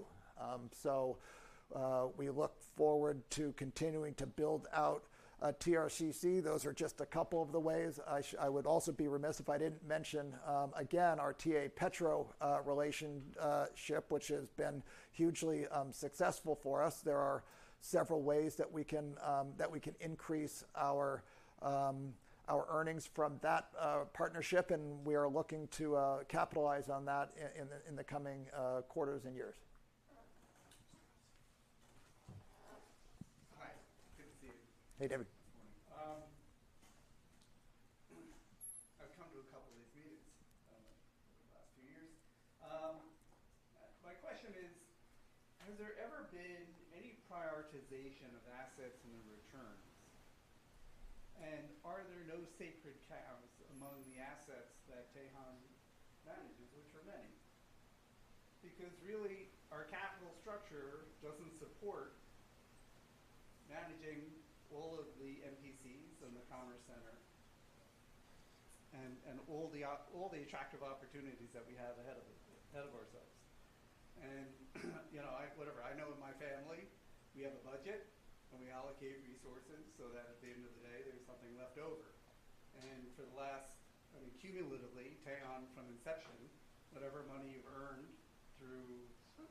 We look forward to continuing to build out TRCC. Those are just a couple of the ways. I would also be remiss if I didn't mention again, our TA Petro relationship, which has been hugely successful for us. There are several ways that we can increase our earnings from that partnership, and we are looking to capitalize on that in the coming quarters and years.
Hi. Good to see you.
Hey, David.
Morning. I've come to two of these meetings over the last few years. My question is, has there ever been any prioritization of assets and the returns? Are there no sacred cows among the assets that Tejon manages, which are many? Really our capital structure doesn't support managing all of the MPCs and the commerce center, and all the attractive opportunities that we have ahead of ourselves. You know, I know in my family we have a budget, and we allocate resources so that at the end of the day, there's something left over. For the last, I mean, cumulatively, Tejon from inception, whatever money you've earned through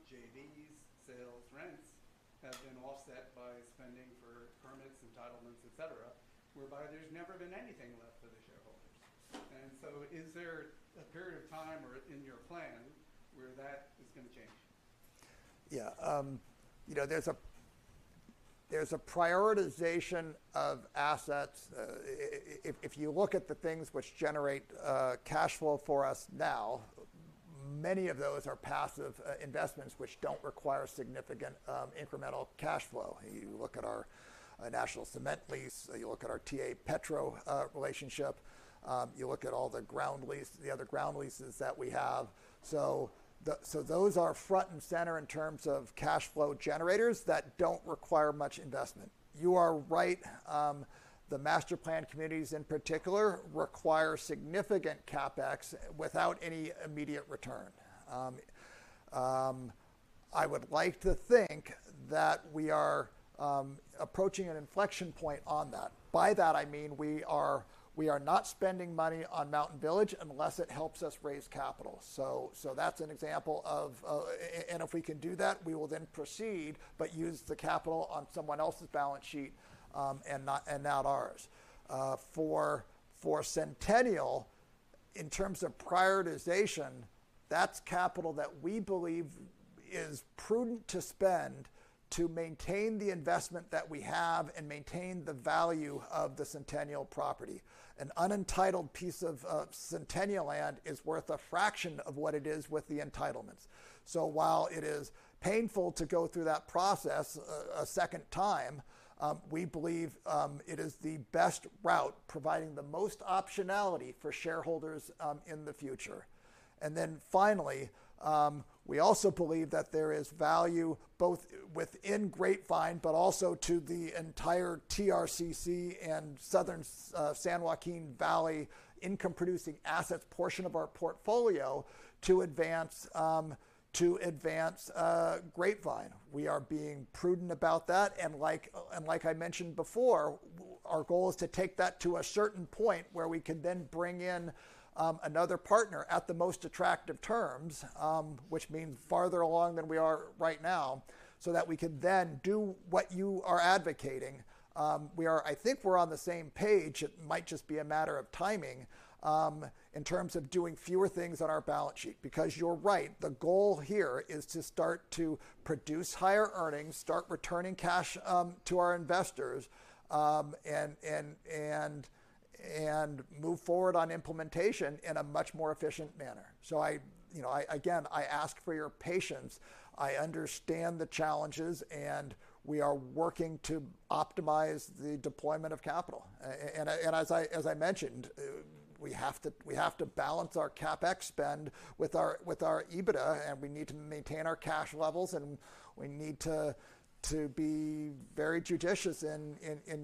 JVs, sales, rents, have been offset by spending for permits, entitlements, et cetera, whereby there's never been anything left for the shareholders. Is there a period of time or in your plan where that is going to change?
Yeah. You know, there's a prioritization of assets. If you look at the things which generate cash flow for us now, many of those are passive investments which don't require significant incremental cash flow. You look at our National Cement lease, you look at our TA Petro relationship, you look at all the other ground leases that we have. Those are front and center in terms of cash flow generators that don't require much investment. You are right, the master planned communities in particular require significant CapEx without any immediate return. I would like to think that we are approaching an inflection point on that. By that, I mean, we are not spending money on Mountain Village unless it helps us raise capital. That's an example of, and if we can do that, we will then proceed, but use the capital on someone else's balance sheet, and not ours. For Centennial, in terms of prioritization, that's capital that we believe is prudent to spend to maintain the investment that we have and maintain the value of the Centennial property. An unentitled piece of Centennial land is worth a fraction of what it is with the entitlements. While it is painful to go through that process a second time, we believe it is the best route providing the most optionality for shareholders in the future. Finally, we also believe that there is value both within Grapevine but also to the entire TRCC and southern San Joaquin Valley income-producing assets portion of our portfolio to advance, to advance Grapevine. We are being prudent about that, and like I mentioned before, our goal is to take that to a certain point where we can then bring in another partner at the most attractive terms, which means farther along than we are right now, so that we can then do what you are advocating. We are I think we're on the same page. It might just be a matter of timing, in terms of doing fewer things on our balance sheet. You're right, the goal here is to start to produce higher earnings, start returning cash to our investors, and move forward on implementation in a much more efficient manner. You know, again, I ask for your patience. I understand the challenges, and we are working to optimize the deployment of capital. And as I mentioned, we have to balance our CapEx spend with our EBITDA, and we need to maintain our cash levels, and we need to be very judicious in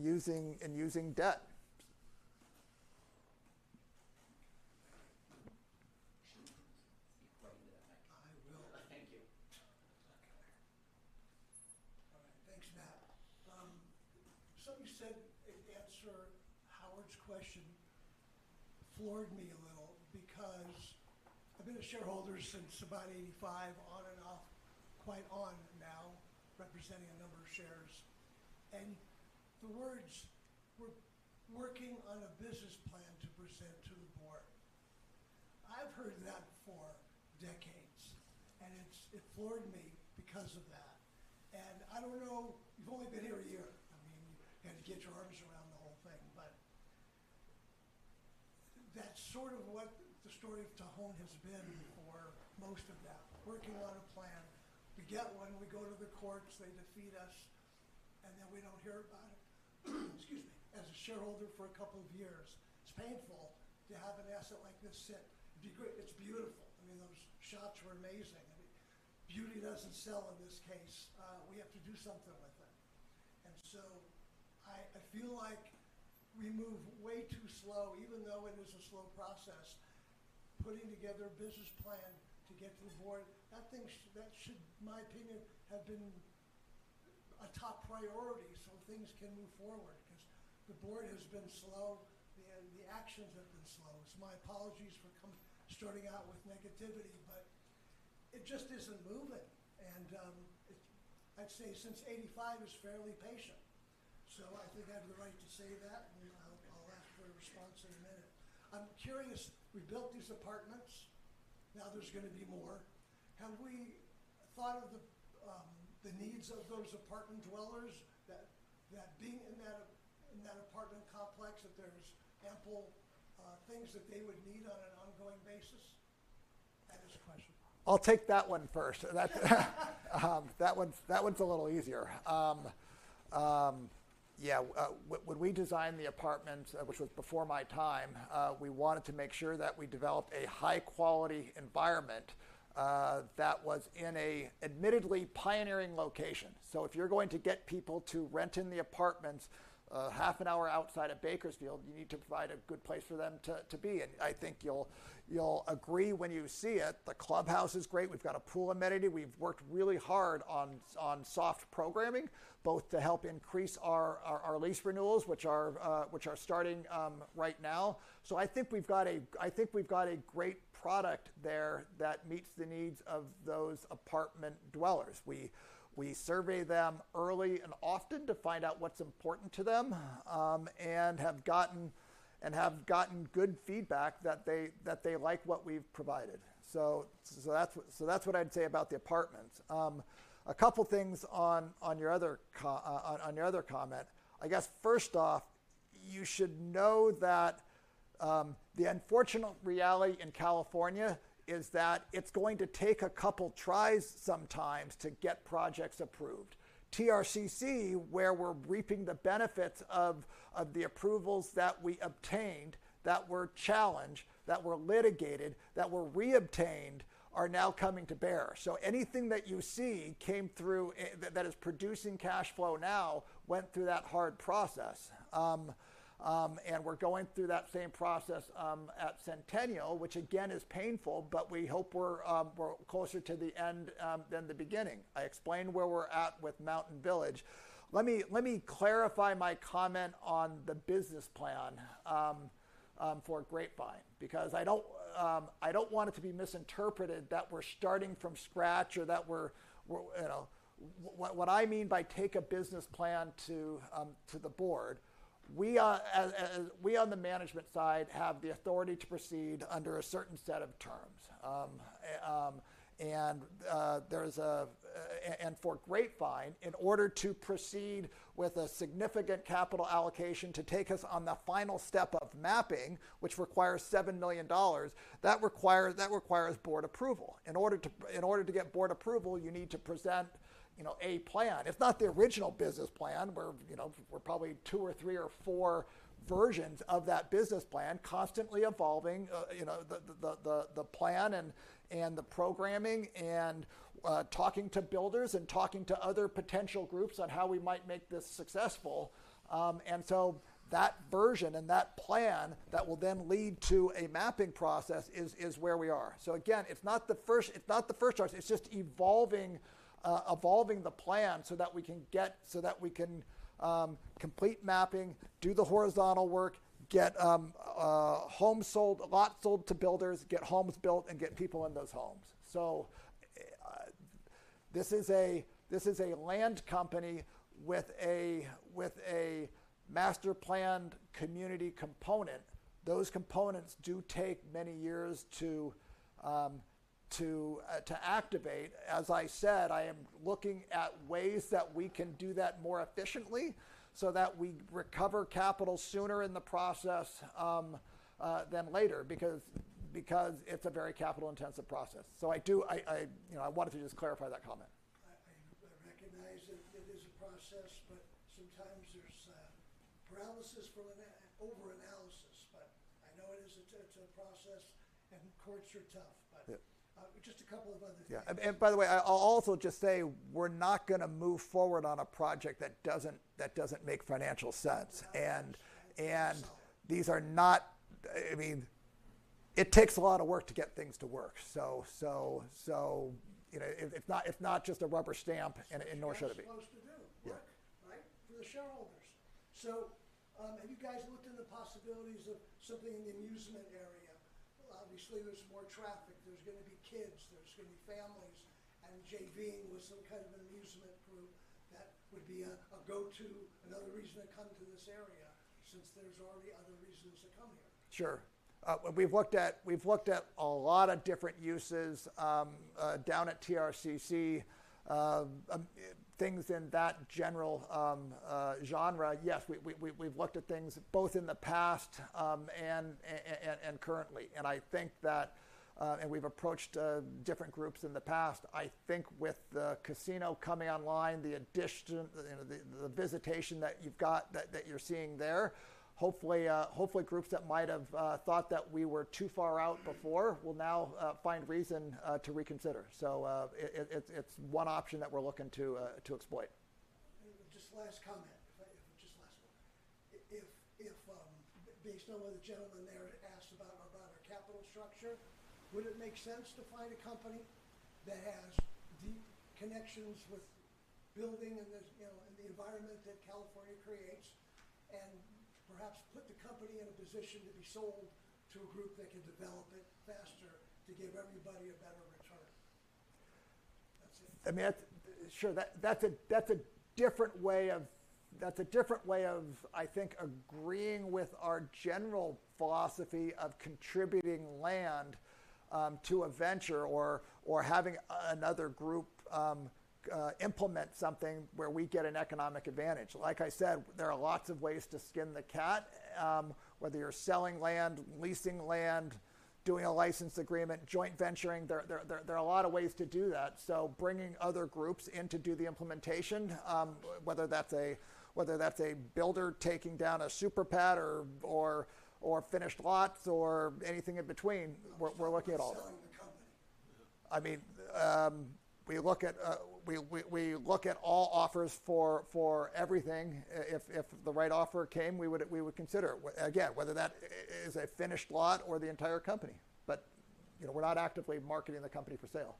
using debt.
I will.
Thank you.
All right. Thanks, Matt. Something you said in answer Howard's question floored me a little because I've been a shareholder since about 1985 on and off, quite on now, representing a number of shares. The words, "We're working on a business plan to present to the board," I've heard that before for decades. It floored me because of that. I don't know, you've only been here a year. I mean, you had to get your arms around the whole thing, but that's sort of what the story of Tejon has been for most of that. Working on a plan. We get one, we go to the courts, they defeat us, then we don't hear about it, excuse me, as a shareholder for a couple of years. It's painful to have an asset like this sit. It'd be great. It's beautiful. I mean, those shots were amazing. I mean, beauty doesn't sell in this case. We have to do something with it. I feel like we move way too slow, even though it is a slow process, putting together a business plan to get to the board. That thing that should, in my opinion, have been a top priority so things can move forward because the board has been slow and the actions have been slow. My apologies for starting out with negativity, but it just isn't moving. I'd say since 1985 is fairly patient, so I think I have the right to say that, and I'll ask for a response in a minute. I'm curious, we built these apartments, now there's going to be more. Have we thought of the needs of those apartment dwellers that being in that apartment complex, that there's ample things that they would need on an ongoing basis? That is a question.
I'll take that one first. That one's a little easier. Yeah. When we designed the apartment, which was before my time, we wanted to make sure that we developed a high quality environment that was in a admittedly pioneering location. If you're going to get people to rent in the apartments, half an hour outside of Bakersfield, you need to provide a good place for them to be. I think you'll agree when you see it. The clubhouse is great. We've got a pool amenity. We've worked really hard on soft programming, both to help increase our lease renewals, which are starting right now. I think we've got a great product there that meets the needs of those apartment dwellers. We survey them early and often to find out what's important to them and have gotten good feedback that they like what we've provided. That's what I'd say about the apartments. A couple things on your other comment. I guess first off, you should know that the unfortunate reality in California is that it's going to take a couple tries sometimes to get projects approved. TRCC, where we're reaping the benefits of the approvals that we obtained, that were challenged, that were litigated, that were reobtained, are now coming to bear. Anything that you see that is producing cash flow now went through that hard process. We're going through that same process at Centennial, which again, is painful, but we hope we're closer to the end than the beginning. I explained where we're at with Mountain Village. Let me clarify my comment on the business plan for Grapevine because I don't want it to be misinterpreted that we're starting from scratch or that we're You know, what I mean by take a business plan to the Board. We, as We on the management side have the authority to proceed under a certain set of terms. There's a, and for Grapevine, in order to proceed with a significant capital allocation to take us on the final step of mapping, which requires $7 million, that requires Board approval. In order to get board approval, you need to present, you know, a plan. It's not the original business plan. We're, you know, we're probably two or three or four versions of that business plan, constantly evolving, you know, the plan and the programming and talking to builders and talking to other potential groups on how we might make this successful. That version and that plan that will then lead to a mapping process is where we are. Again, it's not the first, it's not the first draft. It's just evolving the plan so that we can complete mapping, do the horizontal work, get homes sold, lots sold to builders, get homes built, and get people in those homes. This is a land company with a master-planned community component. Those components do take many years to activate. As I said, I am looking at ways that we can do that more efficiently so that we recover capital sooner in the process than later because it's a very capital intensive process. You know, I wanted to just clarify that comment.
I recognize that it is a process, but sometimes there's paralysis from overanalysis. I know it is a to a process, and courts are tough.
Yeah
Just a couple of other things.
Yeah. By the way, I'll also just say, we're not going to move forward on a project that doesn't make financial sense. These are not I mean, it takes a lot of work to get things to work. You know, it's not just a rubber stamp and nor should it be. Yeah.
Right? For the shareholders. Have you guys looked into possibilities of something in the amusement area? Obviously, there's more traffic. There's going to be kids, there's going to be families, and JV-ing with some kind of an amusement group would be a go-to, another reason to come to this area since there's already other reasons to come here.
Sure. We've looked at a lot of different uses down at TRCC, things in that general genre. Yes, we've looked at things both in the past and currently. I think that we've approached different groups in the past. I think with the casino coming online, the addition, you know, the visitation that you've got that you're seeing there, hopefully groups that might have thought that we were too far out before will now find reason to reconsider. It's one option that we're looking to exploit.
Just last comment. Just last one. If based on what the gentleman there asked about our capital structure, would it make sense to find a company that has deep connections with building in this, you know, in the environment that California creates, and perhaps put the company in a position to be sold to a group that can develop it faster to give everybody a better return? That's it.
I mean, that's Sure. That's a different way of, I think, agreeing with our general philosophy of contributing land to a venture or having another group implement something where we get an economic advantage. Like I said, there are lots of ways to skin the cat, whether you're selling land, leasing land, doing a license agreement, joint venturing. There are a lot of ways to do that. Bringing other groups in to do the implementation, whether that's a builder taking down a super pad or finished lots or anything in between, we're looking at all that.
[audio speaker].
I mean, we look at all offers for everything. If the right offer came, we would consider it. Again, whether that is a finished lot or the entire company. You know, we're not actively marketing the company for sale.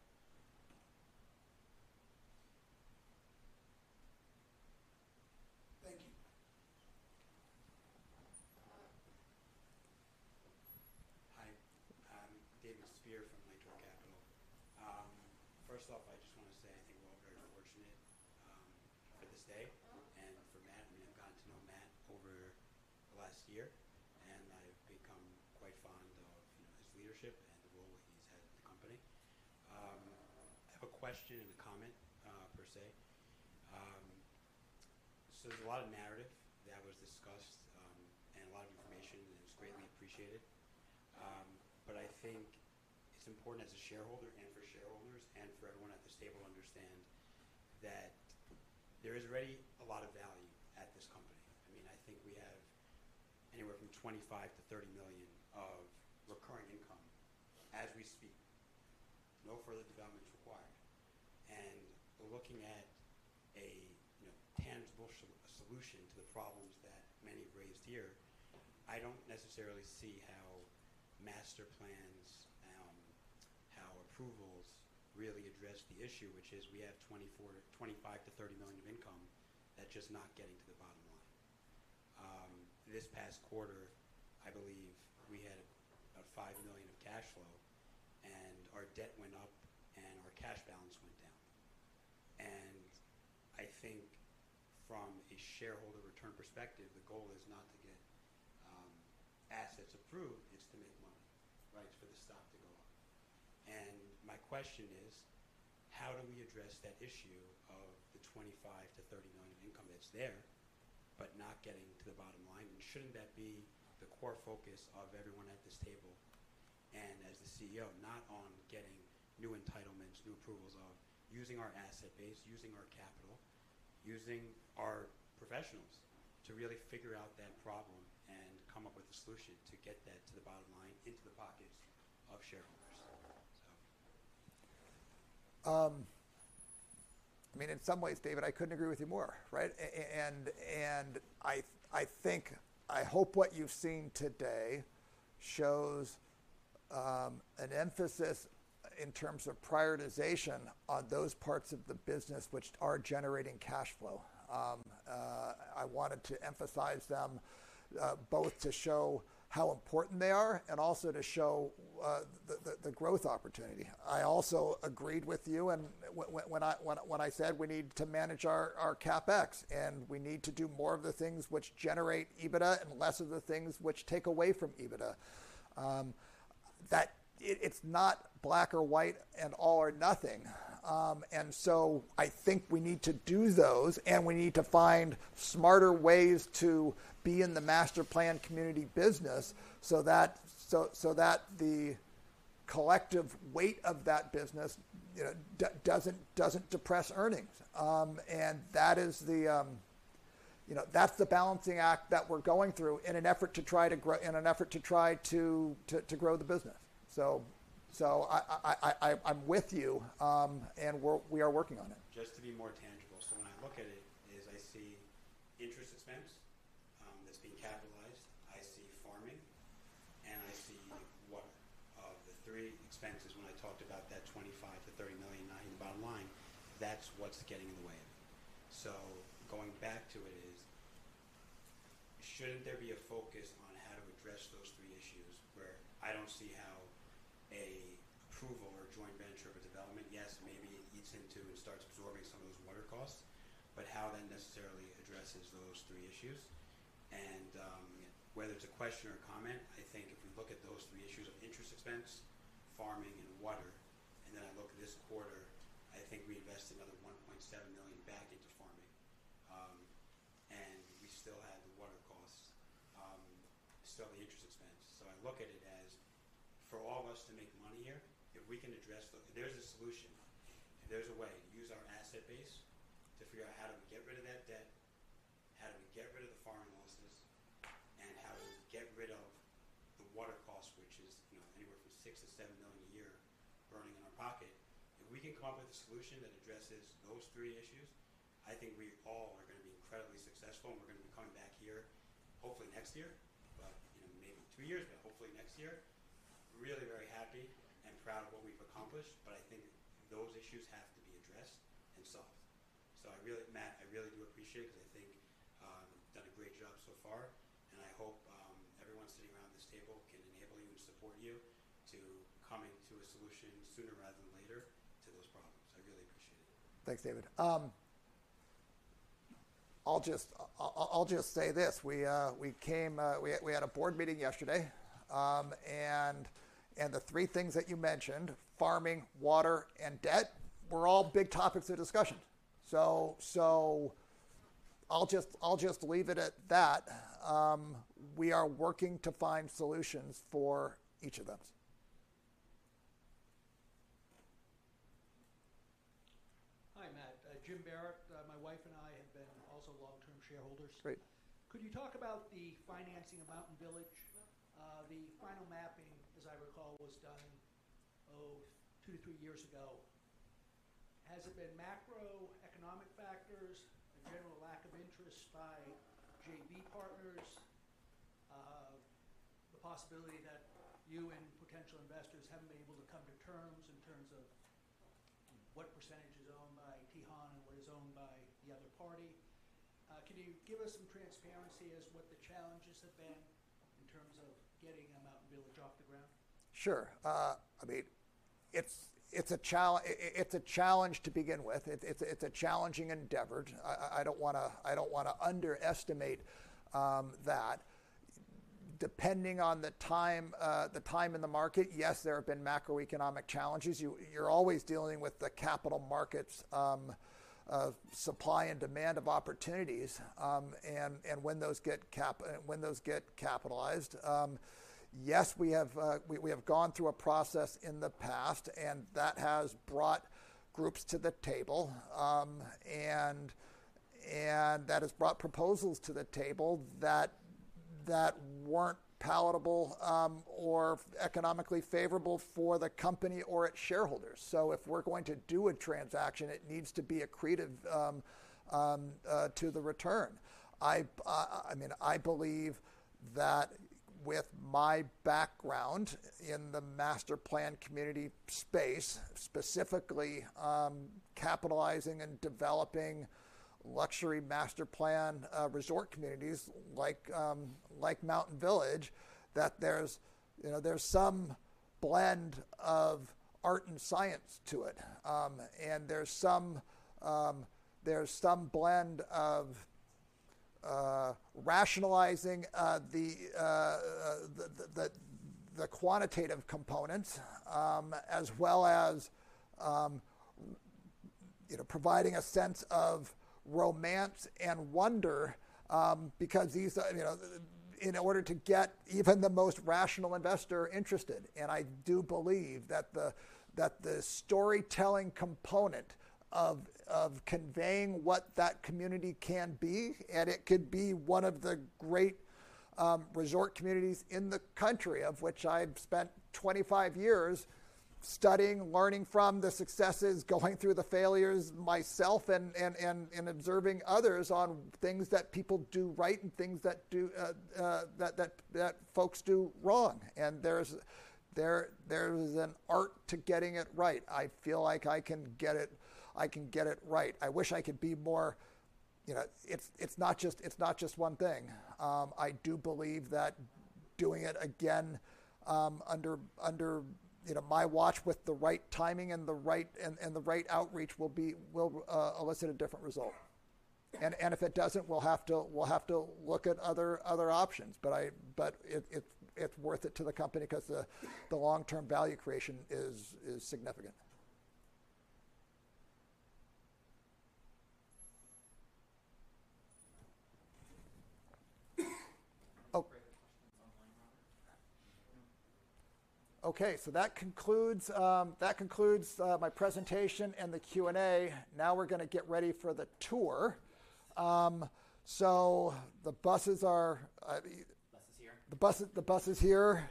Thank you.
Hi, I'm David Speer from Lakeshore Capital. First off, I just want to say I think we're all very fortunate for this day and for Matt. I mean, I've gotten to know Matt over the last year, and I've become quite fond of, you know, his leadership and the role he's had in the company. I have a question and a comment per se. There's a lot of narrative that was discussed, and a lot of information that was greatly appreciated. I think it's important as a shareholder and for shareholders and for everyone at this table to understand that there is already a lot of value at this company. I mean, I think we have anywhere from $25 million-$30 million of recurring income as we speak. No further development is required. We're looking at a, you know, tangible solution to the problems that many have raised here. I don't necessarily see how master plans, how approvals really address the issue, which is we have $25 million-$30 million of income that's just not getting to the bottom line. This past quarter, I believe we had $5 million of cash flow, our debt went up and our cash balance went down. I think from a shareholder return perspective, the goal is not to get assets approved, it's to make money, right? It's for the stock to go up. My question is, how do we address that issue of the $25 million-$30 million of income that's there, but not getting to the bottom line? Shouldn't that be the core focus of everyone at this table and as the CEO, not on getting new entitlements, new approvals of using our asset base, using our capital, using our professionals to really figure out that problem and come up with a solution to get that to the bottom line into the pockets of shareholders?
I mean, in some ways, David, I couldn't agree with you more, right? I hope what you've seen today shows an emphasis in terms of prioritization on those parts of the business which are generating cash flow. I wanted to emphasize them both to show how important they are and also to show the growth opportunity. I also agreed with you and when I said we need to manage our CapEx, and we need to do more of the things which generate EBITDA and less of the things which take away from EBITDA. It's not black or white and all or nothing. I think we need to do those, and we need to find smarter ways to be in the master-planned community business so that the collective weight of that business doesn't depress earnings. That is the balancing act that we're going through in an effort to try to grow in an effort to try to grow the business. I'm with you, and we are working on it.
Just to be more tangible. When I look at it is I see interest expense that's being capitalized. I see farming, and I see what, of the three expenses when I talked about that $25 million-$30 million not hitting the bottom line, that's what's getting in the way of it. Going back to it is, shouldn't there be a focus on how to address those three issues where I don't see how a approval or joint venture of a development, yes, maybe it eats into and starts absorbing some of those water costs, but how that necessarily addresses those three issues? Whether it's a question or a comment, I think if we look at those three issues of interest expense, farming, and water, then I look at this quarter, I think we invested another $1.7 million back into farming, and we still had the water costs, still the interest expense. I look at it as for all of us to make money here, if we can address if there's a solution, if there's a way to use our asset base to figure out how do we get rid of that debt, how do we get rid of the farm losses, and how do we get rid of the water costs, which is, you know, anywhere from $6 million-$7 million a year burning in our pocket. If we can come up with a solution that addresses those three issues, I think we all are going to be incredibly successful, and we're going to be coming back here hopefully next year, but, you know, maybe two years, but hopefully next year really very happy and proud of what we've accomplished. I think those issues have to be addressed and solved. Matt, I really do appreciate it because I think you've done a great job so far, and I hope, everyone sitting around this table can enable you and support you to coming to a solution sooner rather than later to those problems. I really appreciate it.
Thanks, David. I'll just say this. We had a board meeting yesterday, the three things that you mentioned, farming, water, and debt, were all big topics of discussion. I'll just leave it at that. We are working to find solutions for each of those.
Hi, Matt. Jim Barrett. My wife and I have been also long-term shareholders.
Great.
Could you talk about the financing of Mountain Village? The final mapping, as I recall, was done, two to three years ago. Has it been macroeconomic factors, a general lack of interest by JV partners, the possibility that you and potential investors haven't been able to come to terms in terms of what percentage is owned by Tejon and what is owned by the other party? Can you give us some transparency as what the challenges have been in terms of getting a Mountain Village off the ground?
Sure. I mean, it's a challenge to begin with. It's a challenging endeavor. I don't want to underestimate that. Depending on the time, the time in the market, yes, there have been macroeconomic challenges. You're always dealing with the capital markets' supply and demand of opportunities, and when those get capitalized. Yes, we have gone through a process in the past, and that has brought groups to the table, and that has brought proposals to the table that weren't palatable or economically favorable for the company or its shareholders. If we're going to do a transaction, it needs to be accretive to the return. I mean, I believe that with my background in the Master-Planned Community space, specifically, capitalizing and developing luxury master-planned resort communities like Mountain Village, that there's, you know, there's some blend of art and science to it. There's some blend of rationalizing the quantitative components, as well as, you know, providing a sense of romance and wonder, because these, you know, in order to get even the most rational investor interested. I do believe that the storytelling component of conveying what that community can be, and it could be one of the great resort communities in the country, of which I've spent 25 years studying, learning from the successes, going through the failures myself and observing others on things that people do right and things that folks do wrong. There's an art to getting it right. I feel like I can get it right. I wish I could be more You know, it's not just, it's not just one thing. I do believe that doing it again, under, you know, my watch with the right timing and the right outreach will elicit a different result. If it doesn't, we'll have to look at other options. It's worth it to the company because the long-term value creation is significant. Oh. Great questions online, Robert. That concludes my presentation and the Q&A. Now we're going to get ready for the tour. The bus is here. The bus is here.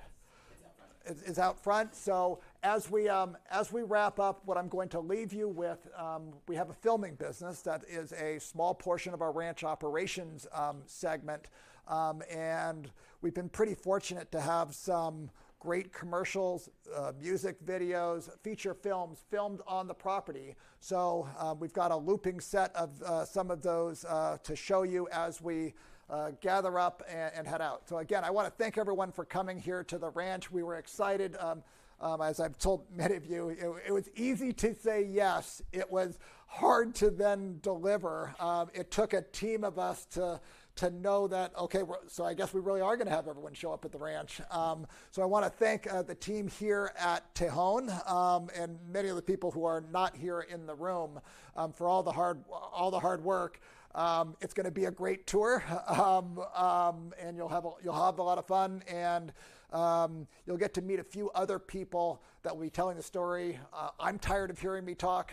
Yes, it's out front. It is out front. As we wrap up, what I'm going to leave you with, we have a filming business that is a small portion of our ranch operations segment. We've been pretty fortunate to have some great commercials, music videos, feature films filmed on the property. We've got a looping set of some of those to show you as we gather up and head out. Again, I want to thank everyone for coming here to the ranch. We were excited. As I've told many of you, it was easy to say yes. It was hard to then deliver. It took a team of us to know that, okay, so I guess we really are going to have everyone show up at the ranch. I want to thank the team here at Tejon and many of the people who are not here in the room for all the hard work. It's going to be a great tour. You'll have a lot of fun. You'll get to meet a few other people that will be telling the story. I'm tired of hearing me talk,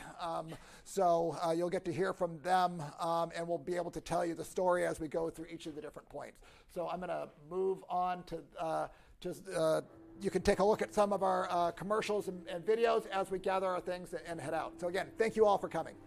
so you'll get to hear from them. We'll be able to tell you the story as we go through each of the different points. I'm going to move on to, you can take a look at some of our commercials and videos as we gather our things and head out. Again, thank you all for coming.